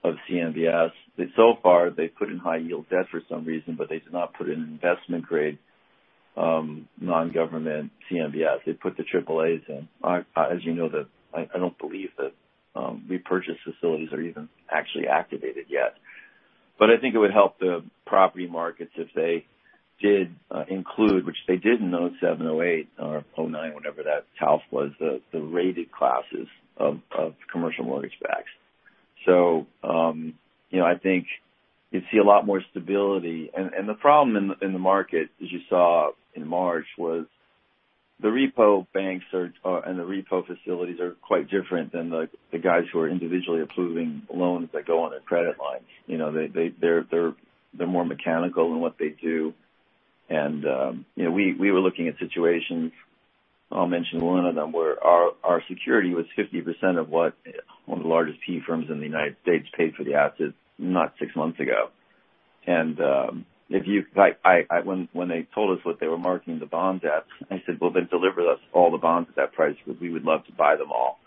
of CMBS. So far, they put in high-yield debt for some reason, but they did not put in investment grade non-government CMBS. They put the AAAs in. As you know, I don't believe that repurchase facilities are even actually activated yet. But I think it would help the property markets if they did include which they did in 2007, 2008, or 2009, whenever that TALF was, the rated classes of commercial mortgage-backed securities. So, I think you'd see a lot more stability. And the problem in the market, as you saw in March, was the repo banks and the repo facilities are quite different than the guys who are individually approving loans that go on their credit lines. They're more mechanical in what they do. And we were looking at situations, I'll mention one of them, where our security was 50% of what one of the largest PE firms in the United States paid for the asset not six months ago. And when they told us what they were marking the bonds at, I said, "Well, then deliver us all the bonds at that price because we would love to buy them all."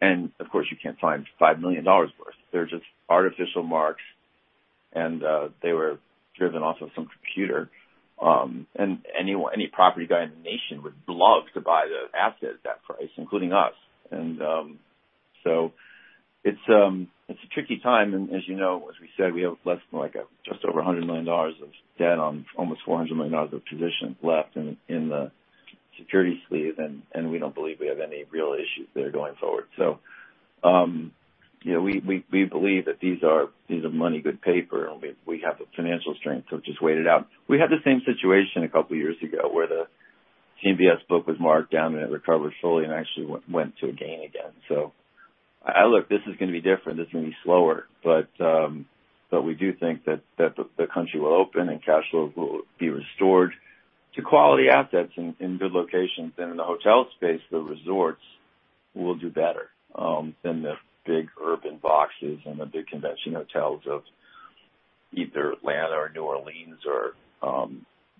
And of course, you can't find $5 million worth. They're just artificial marks, and they were driven off of some computer. And any property guy in the nation would love to buy the asset at that price, including us. And so it's a tricky time. And as you know, as we said, we have less than just over $100 million of debt on almost $400 million of position left in the security sleeve, and we don't believe we have any real issues there going forward. So we believe that these are money good paper, and we have the financial strength to just wait it out. We had the same situation a couple of years ago where the CMBS book was marked down, and it recovered fully and actually went to a gain again. So I looked. This is going to be different. This is going to be slower, but we do think that the country will open and cash flows will be restored to quality assets in good locations. In the hotel space, the resorts will do better than the big urban boxes and the big convention hotels of either Atlanta or New Orleans or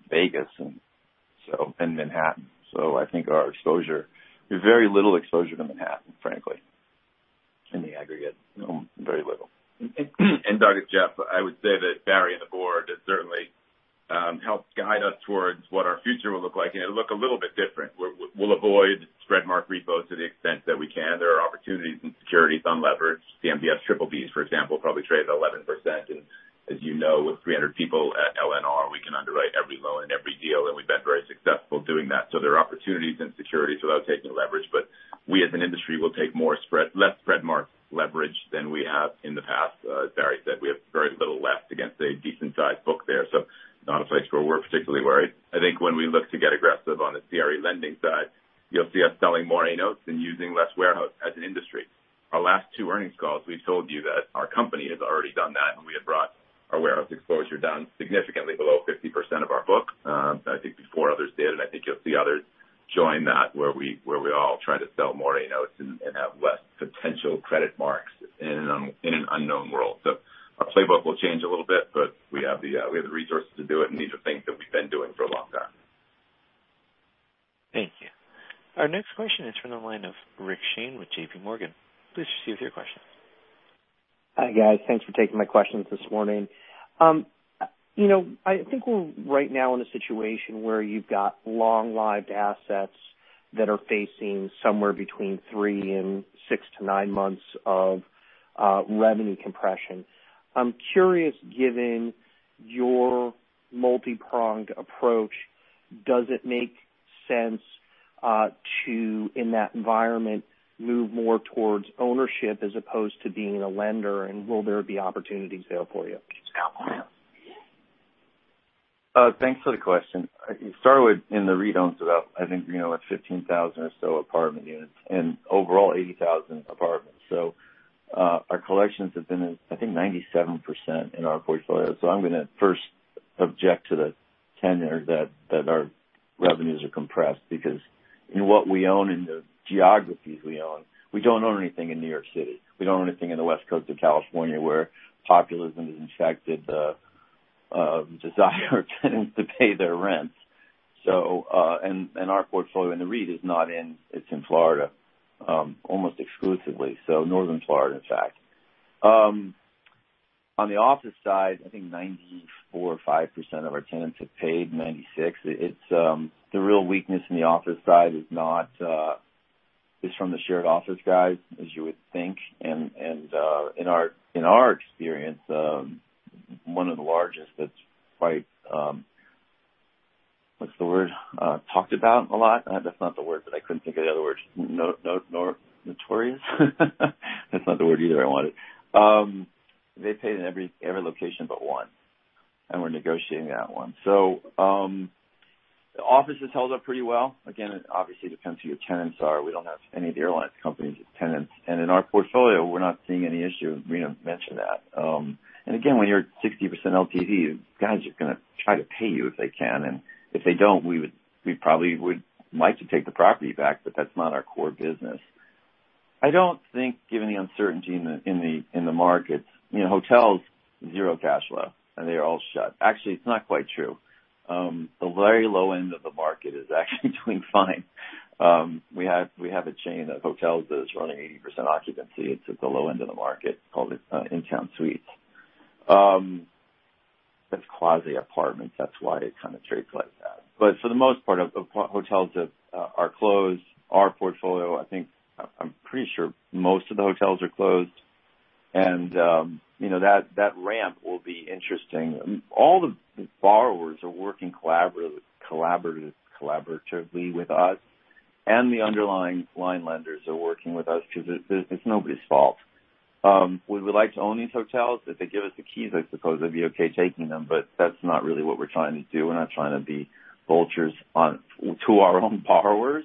Vegas and Manhattan. So, I think our exposure. We have very little exposure to Manhattan, frankly, in the aggregate. Very little. Doug, It's Jeff, I would say that Barry and the board have certainly helped guide us towards what our future will look like, and it'll look a little bit different. We'll avoid spread mark repos to the extent that we can. There are opportunities in securities unleveraged. CMBS BBB, for example, probably trade at 11%. As you know, with 300 people at LNR, we can underwrite every loan and every deal, and we've been very successful doing that. So there are opportunities in securities without taking leverage, but we as an industry will take less spread mark leverage than we have in the past. As Barry said, we have very little left against a decent-sized book there. So it's not a place where we're particularly worried. I think when we look to get aggressive on the CRE lending side, you'll see us selling more A-notes and using less warehouse as an industry. Our last two earnings calls, we've told you that our company has already done that, and we have brought our warehouse exposure down significantly below 50% of our book. I think before others did, and I think you'll see others join that where we all try to sell more A-notes and have less potential credit marks in an unknown world. So our playbook will change a little bit, but we have the resources to do it, and these are things that we've been doing for a long time. Thank you. Our next question is from the line of Rick Shane with JPMorgan. Please proceed with your questions. Hi guys. Thanks for taking my questions this morning. I think we're right now in a situation where you've got long-lived assets that are facing somewhere between three and six to nine months of revenue compression. I'm curious, given your multi-pronged approach, does it make sense to, in that environment, move more towards ownership as opposed to being a lender, and will there be opportunities there for you? Thanks for the question. You started with in the REIT owns about, I think, 15,000 or so apartment units and overall 80,000 apartments. So our collections have been, I think, 97% in our portfolio. I'm going to first object to the tenor that our revenues are compressed because in what we own and the geographies we own, we don't own anything in New York City. We don't own anything in the West Coast of California where populism has infected the desire of tenants to pay their rents. And our portfolio in the REIT is not in, it's in Florida almost exclusively, so northern Florida, in fact. On the office side, I think 94% or 95% of our tenants have paid. 96%. The real weakness in the office side is from the shared office guys, as you would think. And in our experience, one of the largest that's quite, what's the word, talked about a lot. That's not the word, but I couldn't think of the other word. Notorious. That's not the word either I wanted. They paid in every location but one, and we're negotiating that one, so the office has held up pretty well. Again, it obviously depends who your tenants are. We don't have any of the airlines' companies as tenants, and in our portfolio, we're not seeing any issue. Rina mentioned that, and again, when you're 60% LTV, guys are going to try to pay you if they can. And if they don't, we probably would like to take the property back, but that's not our core business. I don't think, given the uncertainty in the markets, hotels, zero cash flow, and they are all shut. Actually, it's not quite true. The very low end of the market is actually doing fine. We have a chain of hotels that is running 80% occupancy. It's at the low end of the market. It's called InTown Suites. That's quasi apartments. That's why it kind of trades like that. But for the most part, hotels are closed. Our portfolio, I think I'm pretty sure most of the hotels are closed. And that ramp will be interesting. All the borrowers are working collaboratively with us, and the underlying line lenders are working with us because it's nobody's fault. We would like to own these hotels. If they give us the keys, I suppose it'd be okay taking them, but that's not really what we're trying to do. We're not trying to be vultures to our own borrowers.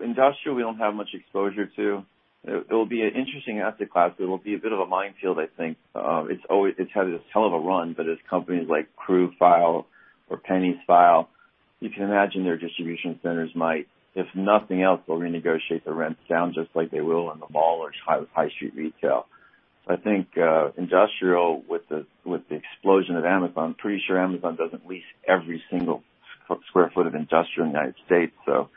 Industrial, we don't have much exposure to. It will be an interesting asset class. It will be a bit of a minefield, I think. It's had a hell of a run, but as companies like J.Crew file or Penney's file, you can imagine their distribution centers might, if nothing else, will renegotiate the rents down just like they will in the mall or high-street retail. I think industrial, with the explosion of Amazon, I'm pretty sure Amazon doesn't lease every single square foot of industrial in the United States. So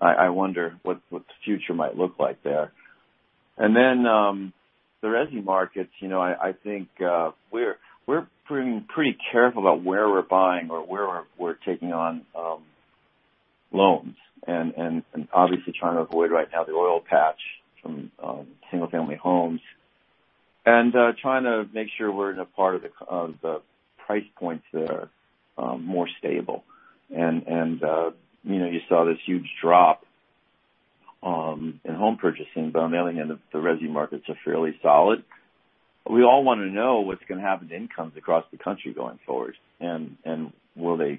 I wonder what the future might look like there. And then the residential markets, I think we're pretty careful about where we're buying or where we're taking on loans and obviously trying to avoid right now the oil patch from single-family homes and trying to make sure, we're in a part of the price points that are more stable. And you saw this huge drop in home purchasing, but on the other hand, the residential markets are fairly solid. We all want to know what's going to happen to incomes across the country going forward and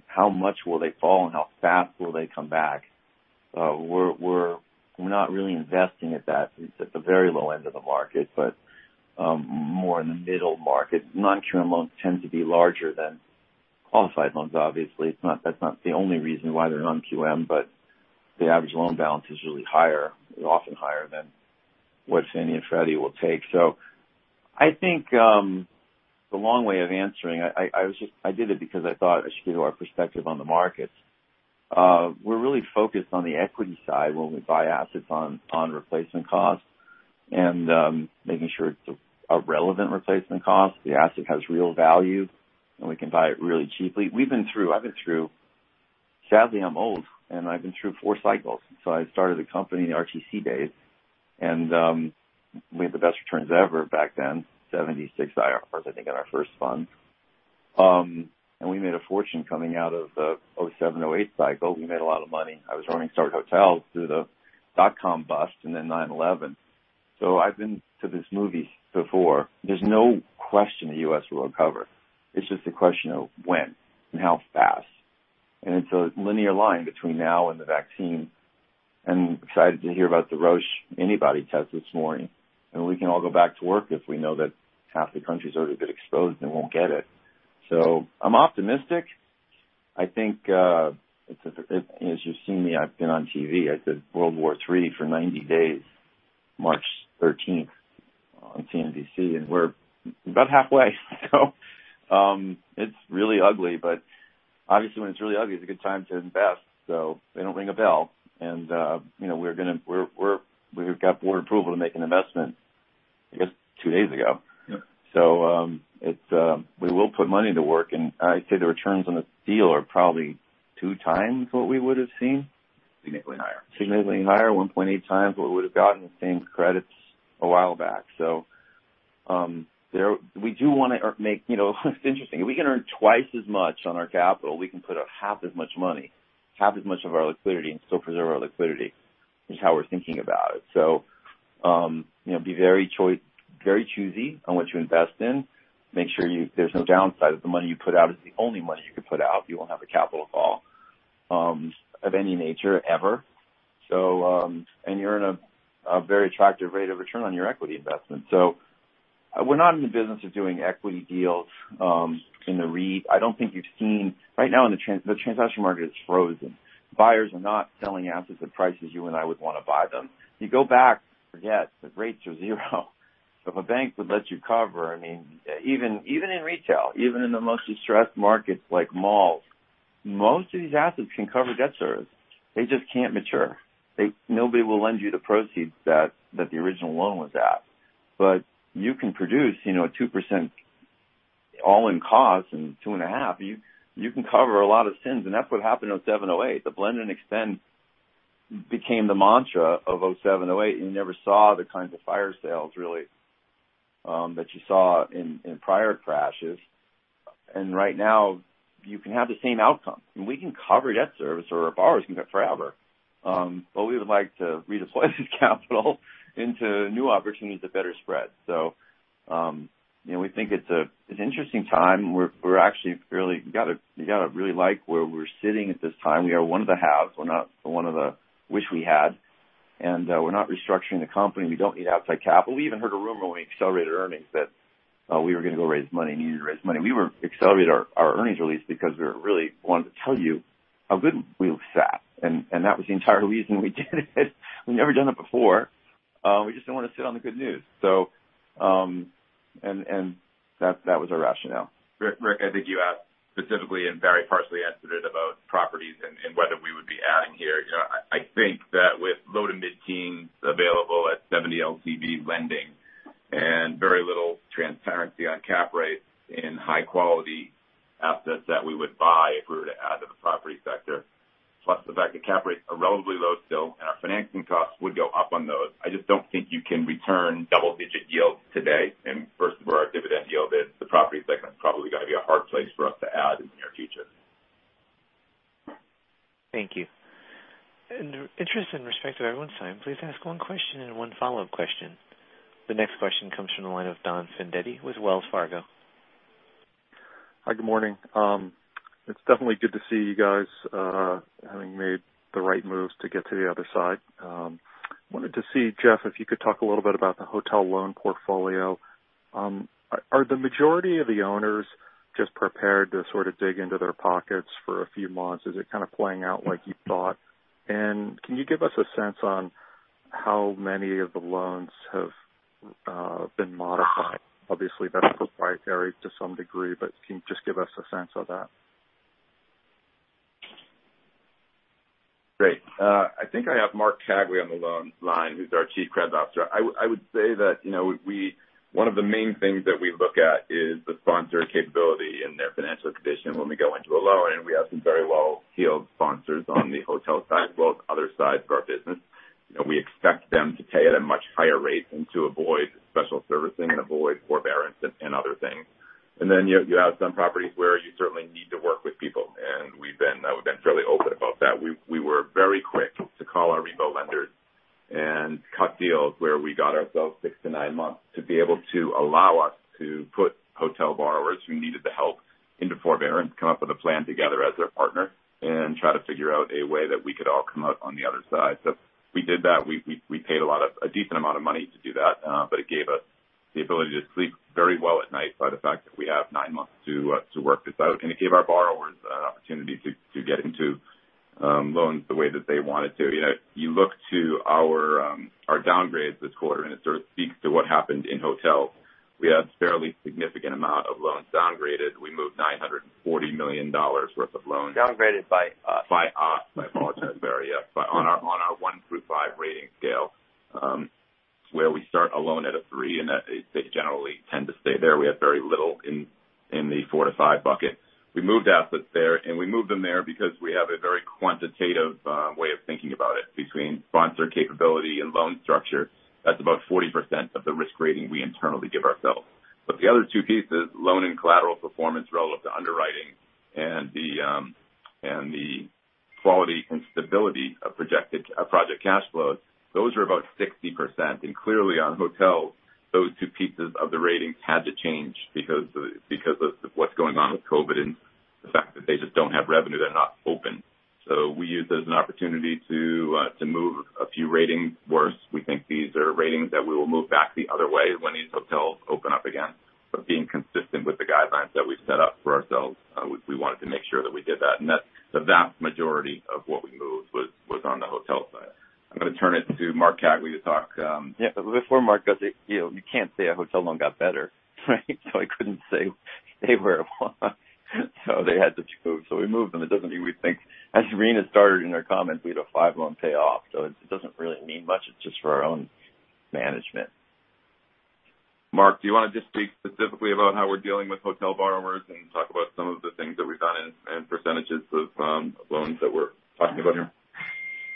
how much will they fall and how fast will they come back. We're not really investing at that. It's at the very low end of the market, but more in the middle market. Non-QM loans tend to be larger than qualified loans, obviously. That's not the only reason why they're non-QM, but the average loan balance is really higher, often higher than what Fannie and Freddie will take. So I think the long way of answering, I did it because I thought I should give you our perspective on the markets. We're really focused on the equity side when we buy assets on replacement costs and making sure it's a relevant replacement cost. The asset has real value, and we can buy it really cheaply. I've been through, sadly, I'm old, and I've been through four cycles. So I started the company in the RTC days, and we had the best returns ever back then, 76 IRRs, I think, on our first fund. And we made a fortune coming out of the 2007, 2008 cycle. We made a lot of money. I was running Starwood Hotels through the dot-com bust and then 9/11. So, I've been to this movie before. There's no question the U.S. will recover. It's just a question of when and how fast. And it's a linear line between now and the vaccine. And I'm excited to hear about the Roche antibody test this morning. And we can all go back to work if we know that half the country's already been exposed and won't get it. So, I'm optimistic. I think, as you've seen me, I've been on TV. I did World War III for 90 days, March 13th, on CNBC. We're about halfway, so it's really ugly, but obviously, when it's really ugly, it's a good time to invest. They don't ring a bell, and we're going to. We've got board approval to make an investment, I guess, two days ago. We will put money to work, and I'd say the returns on the deal are probably two times what we would have seen. Significantly higher. Significantly higher, 1.8x what we would have gotten with same credits a while back. We do want to make. It's interesting. If we can earn twice as much on our capital, we can put out half as much money, half as much of our liquidity, and still preserve our liquidity, which is how we're thinking about it. Be very choosy on what you invest in. Make sure there's no downside that the money you put out is the only money you could put out. You won't have a capital call of any nature ever, and you're in a very attractive rate of return on your equity investment, so we're not in the business of doing equity deals in the REIT. I don't think you've seen. Right now, the transaction market is frozen. Buyers are not selling assets at prices you and I would want to buy them. You go back, forget the rates are zero. If a bank would let you cover, I mean, even in retail, even in the most distressed markets like malls, most of these assets can cover debt service. They just can't mature. Nobody will lend you the proceeds that the original loan was at, but you can produce a 2% all-in cost and 2.5. You can cover a lot of sins. That's what happened in 2007, 2008. The blend and extend became the mantra of 2007, 2008. You never saw the kinds of fire sales really that you saw in prior crashes. Right now, you can have the same outcome. We can cover debt service, or our borrowers can go forever. But we would like to redeploy this capital into new opportunities to better spread. So we think it's an interesting time. We're actually really. You got to really like where we're sitting at this time. We are one of the haves. We're not one of the wish we had. We're not restructuring the company. We don't need outside capital. We even heard a rumor when we accelerated earnings that we were going to go raise money and needed to raise money. We accelerated our earnings release because we really wanted to tell you how good we sat. That was the entire reason we did it. We've never done it before. We just didn't want to sit on the good news. That was our rationale. Rick, I think you asked specifically and very partially answered it about properties and whether we would be adding here. I think that with low to mid-teens available at 70 LTV lending and very little transparency on cap rates in high-quality assets that we would buy if we were to add to the property sector, plus the fact that cap rates are relatively low still and our financing costs would go up on those, I just don't think you can return double-digit yields today. First of all, our dividend yield is the Property segment is probably going to be a hard place for us to add in the near future. Thank you. In the interest and respect of everyone's time, please ask one question and one follow-up question. The next question comes from the line of Don Fandetti with Wells Fargo. Hi, good morning. It's definitely good to see you guys having made the right moves to get to the other side. I wanted to see, Jeff, if you could talk a little bit about the hotel loan portfolio. Are the majority of the owners just prepared to sort of dig into their pockets for a few months? Is it kind of playing out like you thought? And can you give us a sense on how many of the loans have been modified? Obviously, that's proprietary to some degree, but can you just give us a sense of that? Great. I think I have Mark Cagley on the line, who's our Chief Credit Officer. I would say that one of the main things that we look at is the sponsor capability and their financial condition when we go into a loan, and we have some very well-heeled sponsors on the hotel side, as well as other sides of our business. We expect them to pay at a much higher rate and to avoid special servicing and avoid forbearance and other things, and then you have some properties where you certainly need to work with people, and we've been fairly open about that. We were very quick to call our repo lenders and cut deals where we got ourselves six to nine months to be able to allow us to put hotel borrowers who needed the help into forbearance, come up with a plan together as their partner, and try to figure out a way that we could all come out on the other side. So we did that. We paid a decent amount of money to do that, but it gave us the ability to sleep very well at night by the fact that we have nine months to work this out. And it gave our borrowers an opportunity to get into loans the way that they wanted to. You look to our downgrades this quarter, and it sort of speaks to what happened in hotels. We had a fairly significant amount of loans downgraded. We moved $940 million worth of loans. Downgraded by us. By us. I apologize. Sorry. Yes. On our one through five rating scale, where we start a loan at a three, and they generally tend to stay there. We have very little in the four to five bucket. We moved assets there, and we moved them there because we have a very quantitative way of thinking about it. Between sponsor capability and loan structure, that's about 40% of the risk rating we internally give ourselves, but the other two pieces, loan and collateral performance relative to underwriting and the quality and stability of projected project cash flows, those are about 60%, and clearly, on hotels, those two pieces of the ratings had to change because of what's going on with COVID and the fact that they just don't have revenue. They're not open, so we used it as an opportunity to move a few ratings worse. We think these are ratings that we will move back the other way when these hotels open up again, but being consistent with the guidelines that we've set up for ourselves, we wanted to make sure that we did that, and the vast majority of what we moved was on the hotel side. I'm going to turn it to Mark Cagley to talk. Yeah. But before Mark does it, you can't say a hotel loan got better, right, so I couldn't say they were a one, so they had to move, so we moved them. It doesn't mean we think, as Rina started in her comments, we had a five-loan payoff, so it doesn't really mean much. It's just for our own management. Mark, do you want to just speak specifically about how we're dealing with hotel borrowers and talk about some of the things that we've done in percentages of loans that we're talking about here?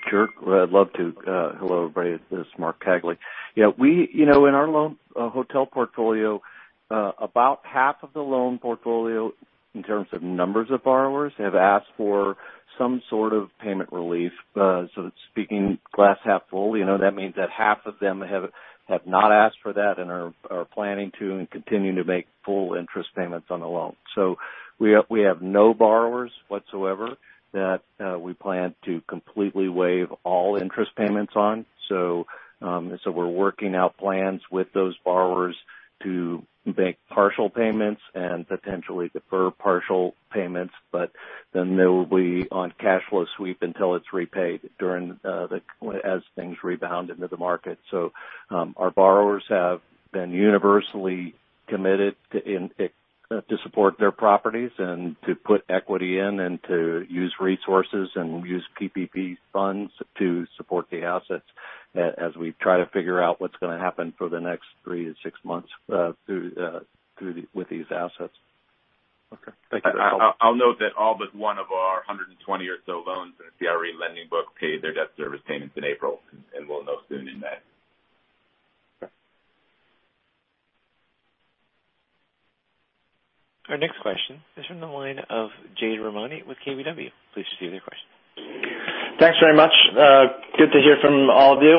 Sure. I'd love to. Hello everybody. This is Mark Cagley. Yeah. In our hotel portfolio, about half of the loan portfolio, in terms of numbers of borrowers, have asked for some sort of payment relief. So, speaking glass half full, that means that half of them have not asked for that and are planning to and continue to make full interest payments on the loan. So we have no borrowers whatsoever that we plan to completely waive all interest payments on. So we're working out plans with those borrowers to make partial payments and potentially defer partial payments, but then they will be on cash flow sweep until it's repaid as things rebound into the market. So our borrowers have been universally committed to support their properties and to put equity in and to use resources and use PPP funds to support the assets as we try to figure out what's going to happen for the next three to six months with these assets. Okay. Thank you. I'll note that all but one of our 120 or so loans in the CRE lending book paid their debt service payments in April, and we'll know soon in May. Our next question is from the line of Jade Rahmani with KBW. Please proceed with your question. Thanks very much. Good to hear from all of you,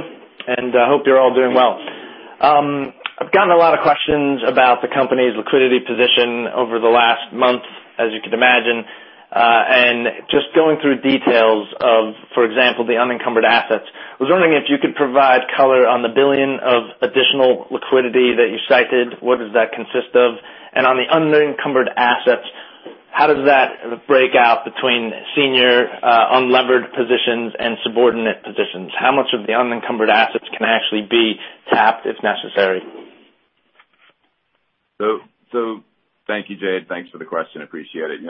and I hope you're all doing well. I've gotten a lot of questions about the company's liquidity position over the last month, as you can imagine, and just going through details of, for example, the unencumbered assets, I was wondering if you could provide color on the billion of additional liquidity that you cited. What does that consist of? And on the unencumbered assets, how does that break out between senior unlevered positions and subordinate positions? How much of the unencumbered assets can actually be tapped if necessary? Thank you, Jade. Thanks for the question. Appreciate it.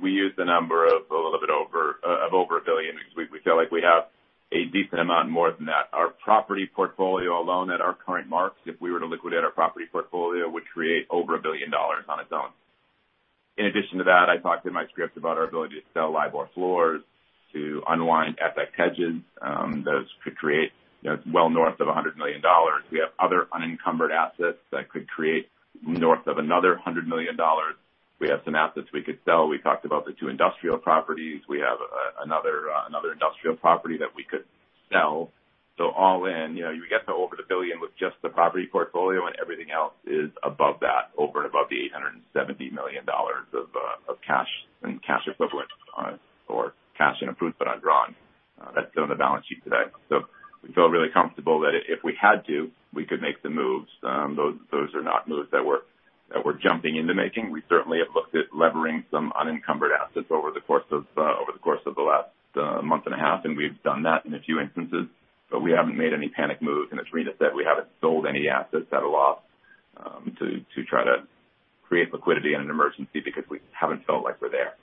We used the number of a little bit over $1 billion because we feel like we have a decent amount more than that. Our property portfolio alone at our current marks, if we were to liquidate our property portfolio, would create over $1 billion on its own. In addition to that, I talked in my script about our ability to sell LIBOR floors to unwind FX hedges. Those could create well north of $100 million. We have other unencumbered assets that could create north of another $100 million. We have some assets we could sell. We talked about the two industrial properties. We have another industrial property that we could sell. All in, you get to over $1 billion with just the property portfolio, and everything else is above that, over and above the $870 million of cash and cash equivalents or cash and approved but undrawn. That's still on the balance sheet today. We feel really comfortable that if we had to, we could make the moves. Those are not moves that we're jumping into making. We certainly have looked at levering some unencumbered assets over the course of the last month and a half, and we've done that in a few instances. But we haven't made any panic moves. And as Rina said, we haven't sold any assets at a loss to try to create liquidity in an emergency because we haven't felt like we're there.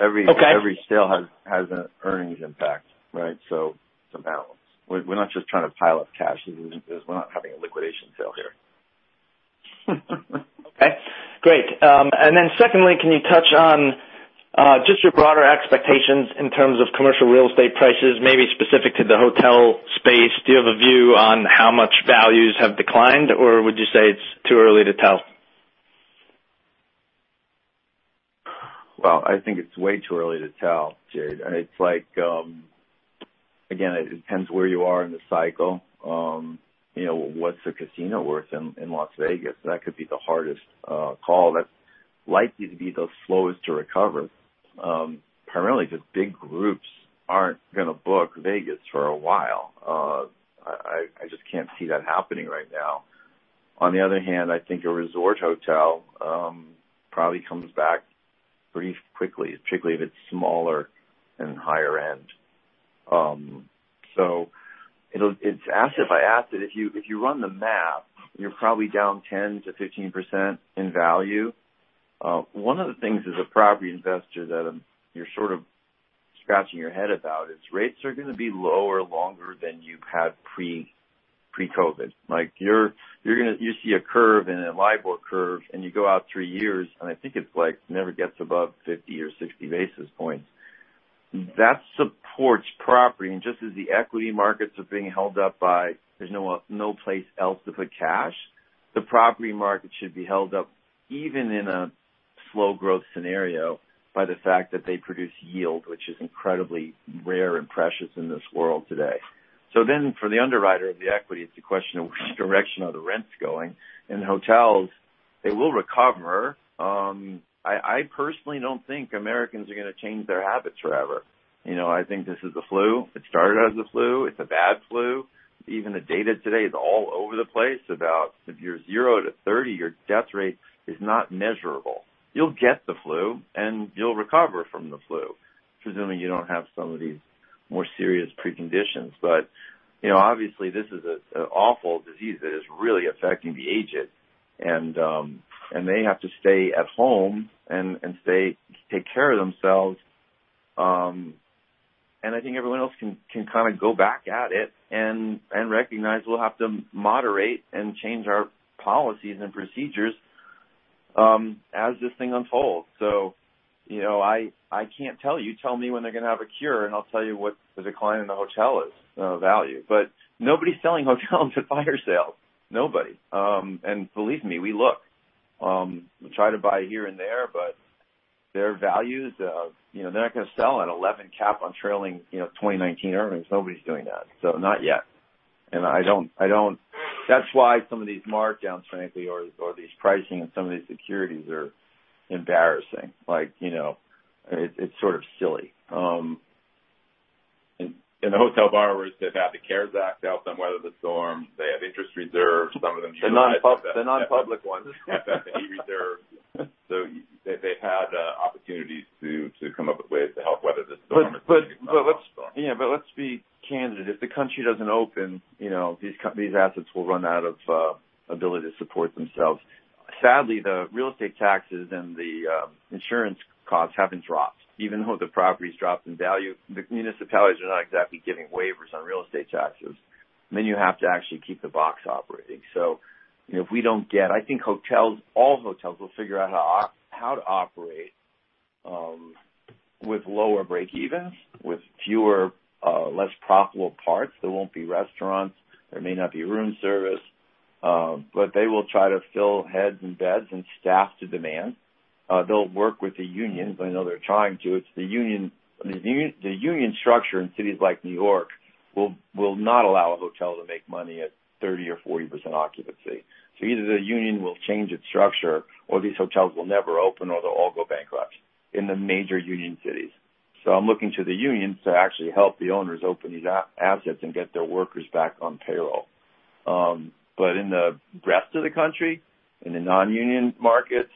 Every sale has an earnings impact, right? So, balance. We're not just trying to pile up cash. We're not having a liquidation sale here. Okay. Great. And then secondly, can you touch on just your broader expectations in terms of commercial real estate prices, maybe specific to the hotel space? Do you have a view on how much values have declined, or would you say it's too early to tell? Well, I think it's way too early to tell, Jade. It's like, again, it depends where you are in the cycle. What's the casino worth in Las Vegas? That could be the hardest call. That's likely to be the slowest to recover. Primarily, just big groups aren't going to book Vegas for a while. I just can't see that happening right now. On the other hand, I think a resort hotel probably comes back pretty quickly, particularly if it's smaller and higher end. So it's asset by asset. If you run the math, you're probably down 10%-15% in value. One of the things as a property investor that you're sort of scratching your head about is rates are going to be lower longer than you've had pre-COVID. You see a curve in a LIBOR curve, and you go out three years, and I think it's like never gets above 50 or 60 basis points. That supports property. And just as the equity markets are being held up by there's no place else to put cash, the property market should be held up even in a slow growth scenario by the fact that they produce yield, which is incredibly rare and precious in this world today. So then for the underwriter of the equity, it's a question of which direction are the rents going. And hotels, they will recover. I personally don't think Americans are going to change their habits forever. I think this is the flu. It started as the flu. It's a bad flu. Even the data today is all over the place about if you're 0 to 30, your death rate is not measurable. You'll get the flu, and you'll recover from the flu, presuming you don't have some of these more serious pre-existing conditions. But obviously, this is an awful disease that is really affecting the aged. And they have to stay at home and take care of themselves. And I think everyone else can kind of get back at it and recognize we'll have to moderate and change our policies and procedures as this thing unfolds. So I can't tell you. Tell me when they're going to have a cure, and I'll tell you what the decline in the hotel value. But nobody's selling hotels at fire sales. Nobody. And believe me, we look. We try to buy here and there, but their values, they're not going to sell at 11 cap on trailing 2019 earnings. Nobody's doing that. So not yet. And that's why some of these markdowns, frankly, or these pricing and some of these securities are embarrassing. It's sort of silly. And the hotel borrowers that have the CARES Act help them weather the storm. They have interest reserves. Some of them. The nonpublic ones. So they've had opportunities to come up with ways to help weather the storm. Yeah. But let's be candid. If the country doesn't open, these assets will run out of ability to support themselves. Sadly, the real estate taxes and the insurance costs haven't dropped. Even though the property's dropped in value, the municipalities are not exactly giving waivers on real estate taxes. Then you have to actually keep the box operating. So, if we don't get I think all hotels will figure out how to operate with lower break-evens, with fewer, less profitable parts. There won't be restaurants. There may not be room service. But they will try to fill heads and beds and staff to demand. They'll work with the unions. I know they're trying to. The union structure in cities like New York will not allow a hotel to make money at 30% or 40% occupancy. So, either the union will change its structure, or these hotels will never open, or they'll all go bankrupt in the major union cities. So I'm looking to the unions to actually help the owners open these assets and get their workers back on payroll. But in the rest of the country, in the non-union markets,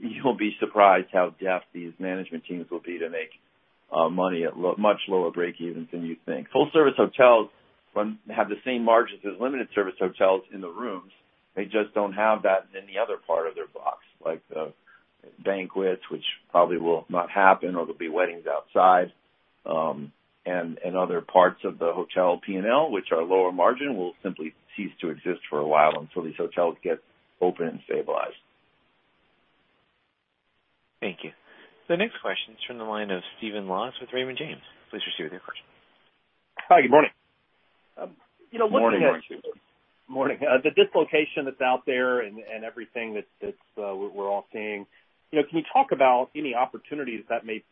you'll be surprised how deft these management teams will be to make money at much lower breakevens than you think. Full-service hotels have the same margins as limited-service hotels in the rooms. They just don't have that in any other part of their box, like the banquets, which probably will not happen, or there'll be weddings outside. And other parts of the hotel P&L, which are lower margin, will simply cease to exist for a while until these hotels get open and stabilized. Thank you. The next question is from the line of Stephen Laws with Raymond James. Please proceed with your question. Hi. Good morning. Morning. The dislocation that's out there and everything that we're all seeing, can you talk about any opportunities that may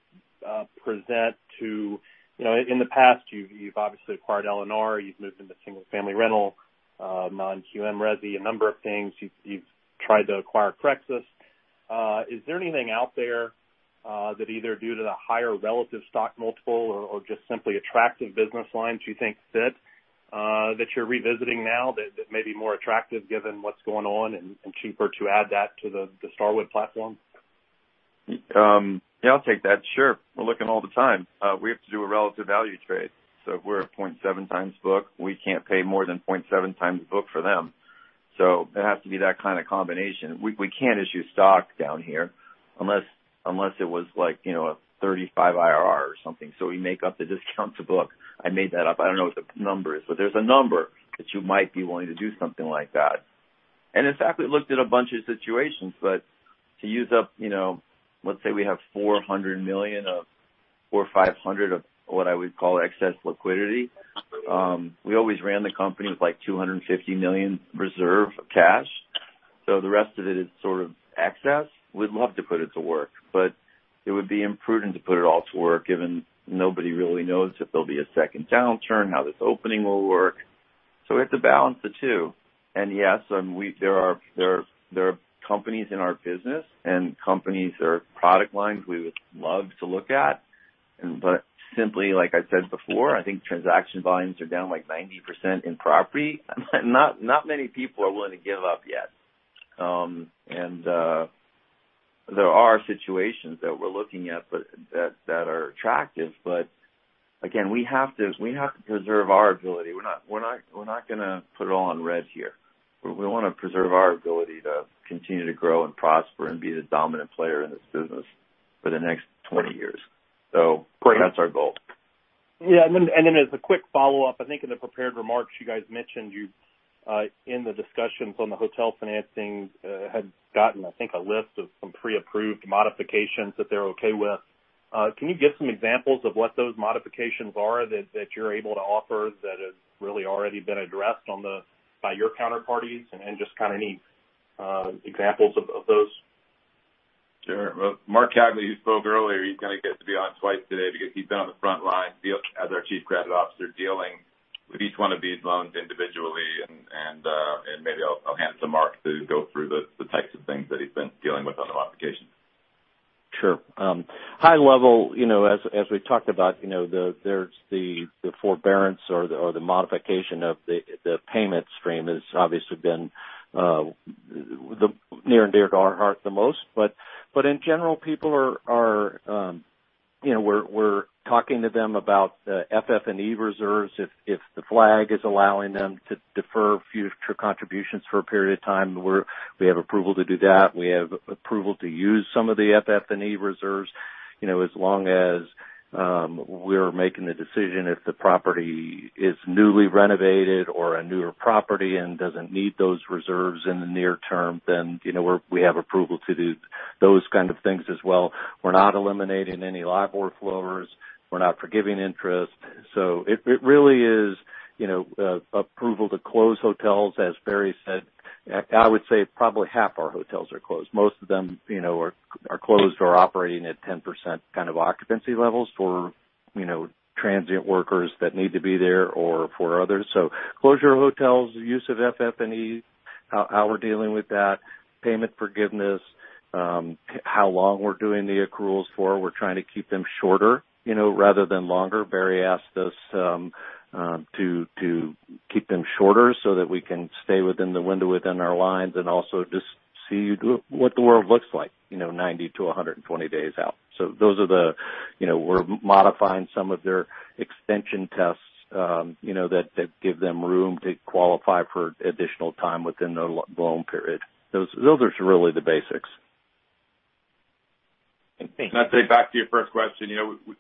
present to in the past, you've obviously acquired LNR. You've moved into single-family rental, non-QM resi, a number of things. You've tried to acquire CreXus. Is there anything out there that either due to the higher relative stock multiple or just simply attractive business lines you think fit that you're revisiting now that may be more attractive given what's going on and cheaper to add that to the Starwood platform? Yeah. I'll take that. Sure. We're looking all the time. We have to do a relative value trade. So if we're at 0.7x book, we can't pay more than 0.7x book for them. So it has to be that kind of combination. We can't issue stock down here unless it was like a 35 IRR or something. So we make up the discount to book. I made that up. I don't know what the number is, but there's a number that you might be willing to do something like that, and in fact, we looked at a bunch of situations, but to use up, let's say we have $400 million or $500 million of what I would call excess liquidity. We always ran the company with like $250 million reserve cash, so the rest of it is sort of excess. We'd love to put it to work, but it would be imprudent to put it all to work given nobody really knows if there'll be a second downturn, how this opening will work, so we have to balance the two, and yes, there are companies in our business and companies that are product lines we would love to look at, but simply, like I said before, I think transaction volumes are down like 90% in property. Not many people are willing to give up yet. And there are situations that we're looking at that are attractive. But again, we have to preserve our ability. We're not going to put it all on red here. We want to preserve our ability to continue to grow and prosper and be the dominant player in this business for the next 20 years. So that's our goal. Yeah. And then as a quick follow-up, I think in the prepared remarks you guys mentioned, in the discussions on the hotel financing, had gotten, I think, a list of some pre-approved modifications that they're okay with. Can you give some examples of what those modifications are that you're able to offer that have really already been addressed by your counterparties? And just kind of need examples of those. Sure. Mark Cagley, who spoke earlier, he's going to get to be on twice today because he's been on the front line as our Chief Credit Officer dealing with each one of these loans individually. Maybe I'll hand it to Mark to go through the types of things that he's been dealing with on the modification. Sure. High level, as we talked about, there's the forbearance or the modification of the payment stream has obviously been the near and dear to our heart the most. But in general, we're talking to them about FF&E reserves if the flag is allowing them to defer future contributions for a period of time. We have approval to do that. We have approval to use some of the FF&E reserves as long as we're making the decision if the property is newly renovated or a newer property and doesn't need those reserves in the near term, then we have approval to do those kinds of things as well. We're not eliminating any LIBOR floors. We're not forgiving interest. So it really is approval to close hotels. As Barry said, I would say probably half our hotels are closed. Most of them are closed or operating at 10% kind of occupancy levels for transient workers that need to be there or for others. So closure of hotels, use of FF&E, how we're dealing with that, payment forgiveness, how long we're doing the accruals for. We're trying to keep them shorter rather than longer. Barry asked us to keep them shorter so that we can stay within the window within our timelines and also just see what the world looks like 90-120 days out. So those are the ones we're modifying: some of their extension terms that give them room to qualify for additional time within the loan period. Those are really the basics. I'd say back to your first question,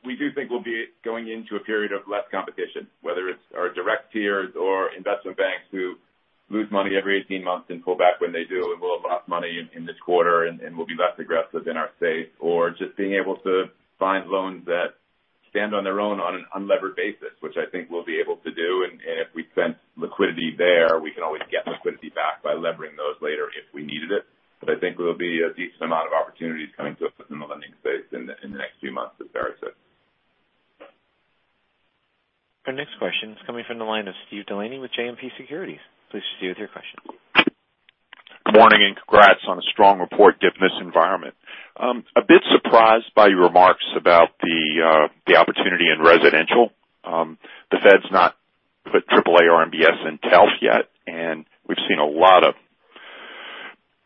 we do think we'll be going into a period of less competition, whether it's our direct peers or investment banks who lose money every 18 months and pull back when they do and will have lost money in this quarter and will be less aggressive in our space or just being able to find loans that stand on their own on an unlevered basis, which I think we'll be able to do. If we spent liquidity there, we can always get liquidity back by levering those later if we needed it. But I think there'll be a decent amount of opportunities coming to us in the lending space in the next few months, as Barry said. Our next question is coming from the line of Steve Delaney with JMP Securities. Please proceed with your question. Morning and congrats on a strong report given this environment. A bit surprised by your remarks about the opportunity in residential. The Fed's not put AAA or MBS in TALF yet, and we've seen a lot of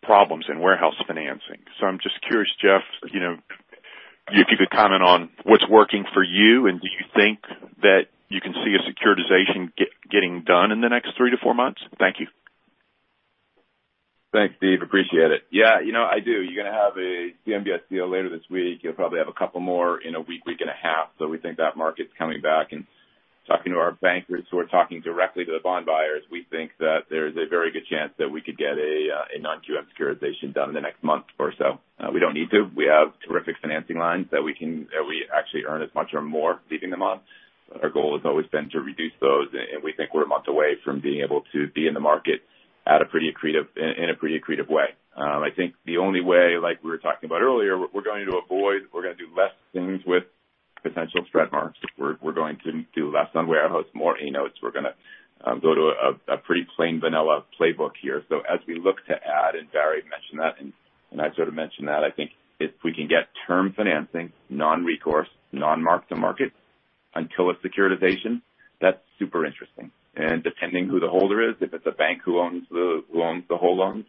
problems in warehouse financing. So I'm just curious, Jeff, if you could comment on what's working for you and do you think that you can see a securitization getting done in the next three to four months? Thank you. Thanks, Steve. Appreciate it. Yeah. I do. You're going to have a CMBS deal later this week. You'll probably have a couple more in a week, week and a half. So we think that market's coming back. And talking to our bankers who are talking directly to the bond buyers, we think that there is a very good chance that we could get a non-QM securitization done in the next month or so. We don't need to. We have terrific financing lines that we actually earn as much or more leaving them on. Our goal has always been to reduce those, and we think we're a month away from being able to be in the market in a pretty accretive way. I think the only way, like we were talking about earlier, we're going to avoid. We're going to do less things with potential mark-to-market. We're going to do less on warehouse, more in-house. We're going to go to a pretty plain vanilla playbook here. So as we look to add, and Barry mentioned that, and I sort of mentioned that, I think if we can get term financing, non-recourse, non-mark-to-market until a securitization, that's super interesting. And depending who the holder is, if it's a bank who owns the whole loans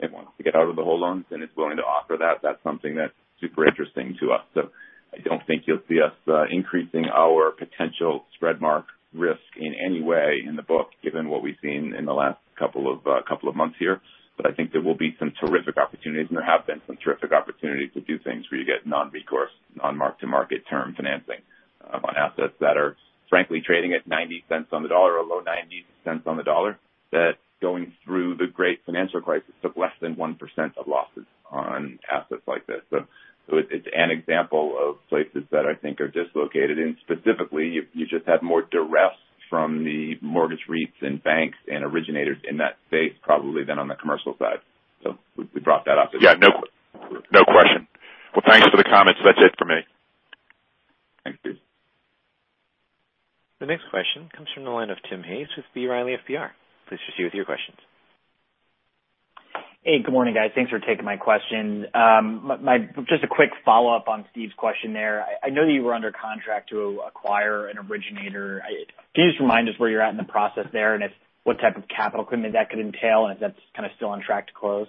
and wants to get out of the whole loans and is willing to offer that, that's something that's super interesting to us. So I don't think you'll see us increasing our potential spread mark risk in any way in the book, given what we've seen in the last couple of months here. But I think there will be some terrific opportunities, and there have been some terrific opportunities to do things where you get non-recourse, non-mark-to-market term financing on assets that are, frankly, trading at 90 cents on the dollar or low $0.90 on the dollar that, going through the great financial crisis, took less than 1% of losses on assets like this. So it's an example of places that I think are dislocated. And specifically, you just have more duress from the mortgage REITs and banks and originators in that space, probably than on the commercial side. So we brought that up. Yeah. No question. Well, thanks for the comments. That's it for me. Thanks, Steve. The next question comes from the line of Tim Hayes with B. Riley FBR. Please proceed with your questions. Hey. Good morning, guys. Thanks for taking my question. Just a quick follow-up on Steve's question there. I know that you were under contract to acquire an originator. Can you just remind us where you're at in the process there and what type of capital commitment that could entail? And if that's kind of still on track to close?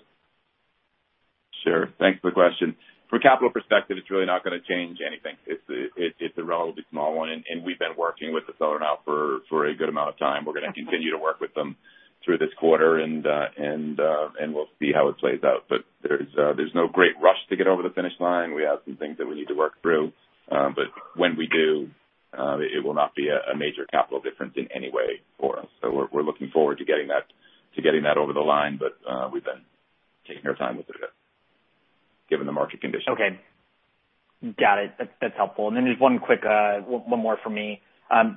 Sure. Thanks for the question. From a capital perspective, it's really not going to change anything. It's a relatively small one. And we've been working with the seller now for a good amount of time. We're going to continue to work with them through this quarter, and we'll see how it plays out. But there's no great rush to get over the finish line. We have some things that we need to work through. But when we do, it will not be a major capital difference in any way for us. We're looking forward to getting that over the line, but we've been taking our time with it given the market conditions. Okay. Got it. That's helpful. And then just one more from me.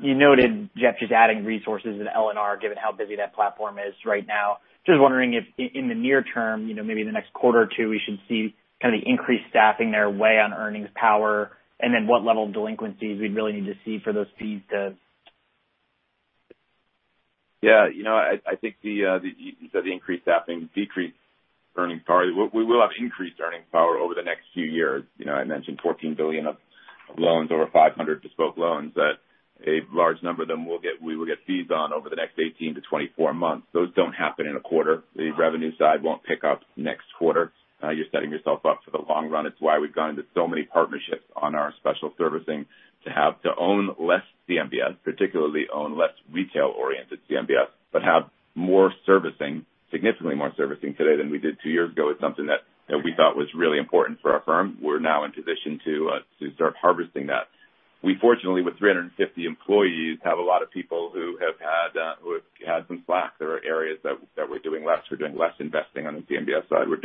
You noted, Jeff, just adding resources in LNR given how busy that platform is right now. Just wondering if, in the near term, maybe in the next quarter or two, we should see kind of the increased staffing there weigh on earnings power and then what level of delinquencies we'd really need to see for those fees to. Yeah. I think you said the increased staffing, decreased earnings power. We will have increased earnings power over the next few years. I mentioned $14 billion of loans, over 500 bespoke loans that a large number of them we will get fees on over the next 18 to 24 months. Those don't happen in a quarter. The revenue side won't pick up next quarter. You're setting yourself up for the long run. It's why we've gone into so many partnerships on our special servicing to own less CMBS, particularly own less retail-oriented CMBS, but have significantly more servicing today than we did two years ago. It's something that we thought was really important for our firm. We're now in position to start harvesting that. We, fortunately, with 350 employees, have a lot of people who have had some slack. There are areas that we're doing less. We're doing less investing on the CMBS side. We're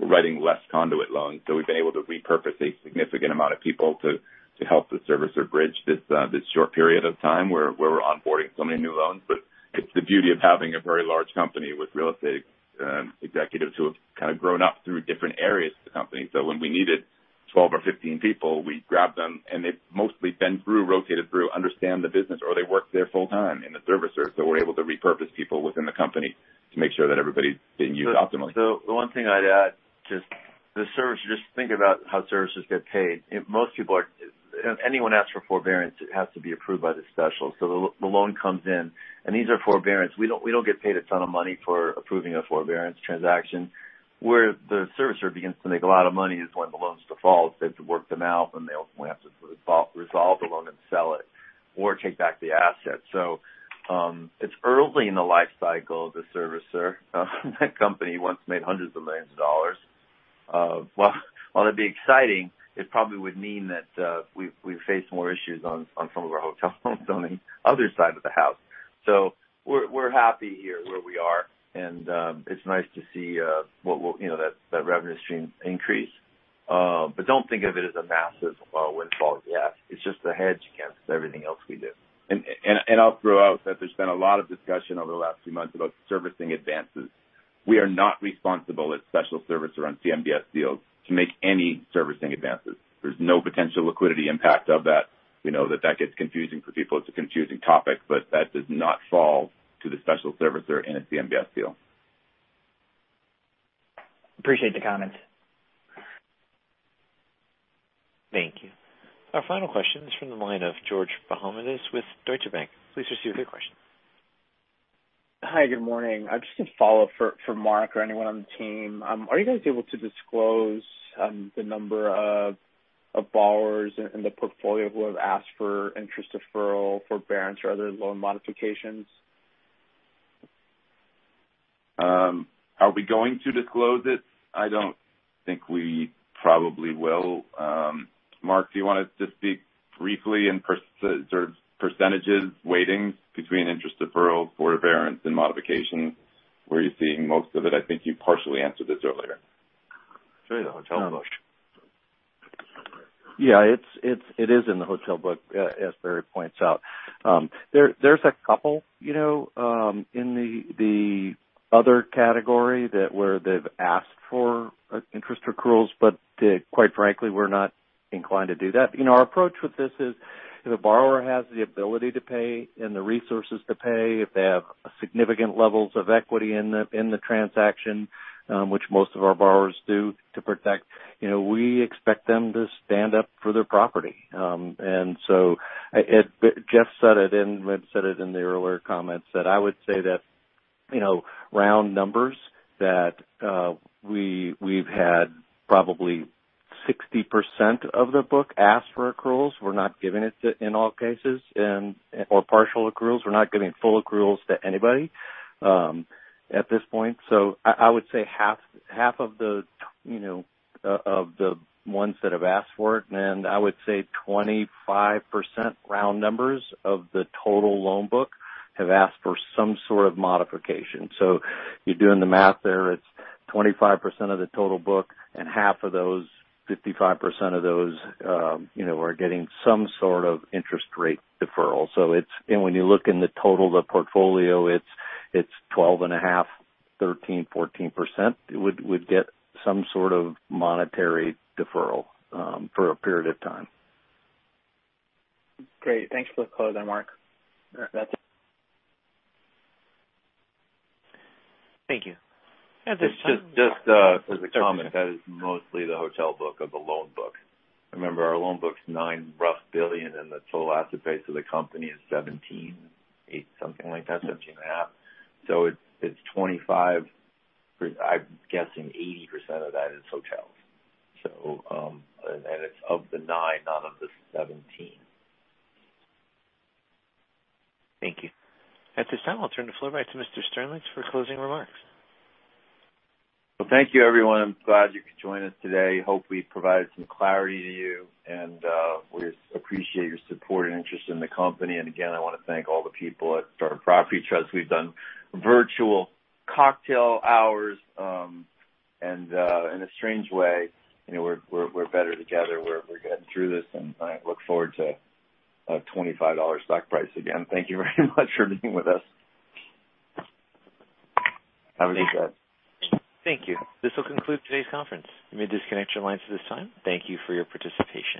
writing less conduit loans. So we've been able to repurpose a significant amount of people to help the servicing or bridge this short period of time where we're onboarding so many new loans. But it's the beauty of having a very large company with real estate executives who have kind of grown up through different areas of the company. So when we needed 12 or 15 people, we grabbed them, and they've mostly been through, rotated through, understand the business, or they work there full-time in the servicing. So we're able to repurpose people within the company to make sure that everybody's being used optimally. So the one thing I'd add, just the servicing, just think about how servicers get paid. Anyone asks for forbearance, it has to be approved by the special servicer. So the loan comes in, and these are forbearance. We don't get paid a ton of money for approving a forbearance transaction. Where the servicer begins to make a lot of money is when the loan's default. They have to work them out, and they ultimately have to resolve the loan and sell it or take back the asset. So it's early in the life cycle of the servicer. That company once made hundreds of millions of dollars. While that'd be exciting, it probably would mean that we face more issues on some of our hotels on the other side of the house. So we're happy here where we are, and it's nice to see that revenue stream increase. But don't think of it as a massive windfall, as. It's just a hedge against everything else we do. And I'll throw out that there's been a lot of discussion over the last few months about servicing advances. We are not responsible as special servicer on CMBS deals to make any servicing advances. There's no potential liquidity impact of that. We know that that gets confusing for people. It's a confusing topic, but that does not fall to the special servicer in a CMBS deal. Appreciate the comments. Thank you. Our final question is from the line of George Bahamondes with Deutsche Bank. Please proceed with your question. Hi. Good morning. Just a follow-up for Mark or anyone on the team. Are you guys able to disclose the number of borrowers in the portfolio who have asked for interest deferral, forbearance, or other loan modifications? Are we going to disclose it? I don't think we probably will. Mark, do you want to just speak briefly in percentages, weightings between interest deferral, forbearance, and modification? Where are you seeing most of it? I think you partially answered this earlier. It's in the hotel book. Yeah. It is in the hotel book, as Barry points out. There's a couple in the other category where they've asked for interest accruals, but quite frankly, we're not inclined to do that. Our approach with this is if a borrower has the ability to pay and the resources to pay, if they have significant levels of equity in the transaction, which most of our borrowers do to protect, we expect them to stand up for their property. And so Jeff said it and said it in the earlier comments that I would say that round numbers that we've had probably 60% of the book ask for accruals. We're not giving it in all cases or partial accruals. We're not giving full accruals to anybody at this point. So I would say half of the ones that have asked for it, and I would say 25% round numbers of the total loan book have asked for some sort of modification. So you're doing the math there. It's 25% of the total book, and half of those, 55% of those are getting some sort of interest rate deferral. And when you look in the total of the portfolio, it's 12.5%, 13%, 14% would get some sort of monetary deferral for a period of time. Great. Thanks for the close there, Mark. That's it. Thank you. Just as a comment, that is mostly the hotel book of the loan book. Remember, our loan book is roughly $9 billion, and the total asset base of the company is $17.8 billion, something like that, $17.5 billion. So it's 25%, I'm guessing 80% of that is hotels. And it's of the 9, not of the 17. Thank you. At this time, I'll turn the floor back to Mr. Sternlicht for closing remarks. Well, thank you, everyone. I'm glad you could join us today. Hope we provided some clarity to you, and we appreciate your support and interest in the company, and again, I want to thank all the people at Starwood Property Trust. We've done virtual cocktail hours, and in a strange way, we're better together. We're getting through this, and I look forward to a $25 stock price again. Thank you very much for being with us. Have a good day. Thank you. This will conclude today's conference. You may disconnect your lines at this time. Thank you for your participation.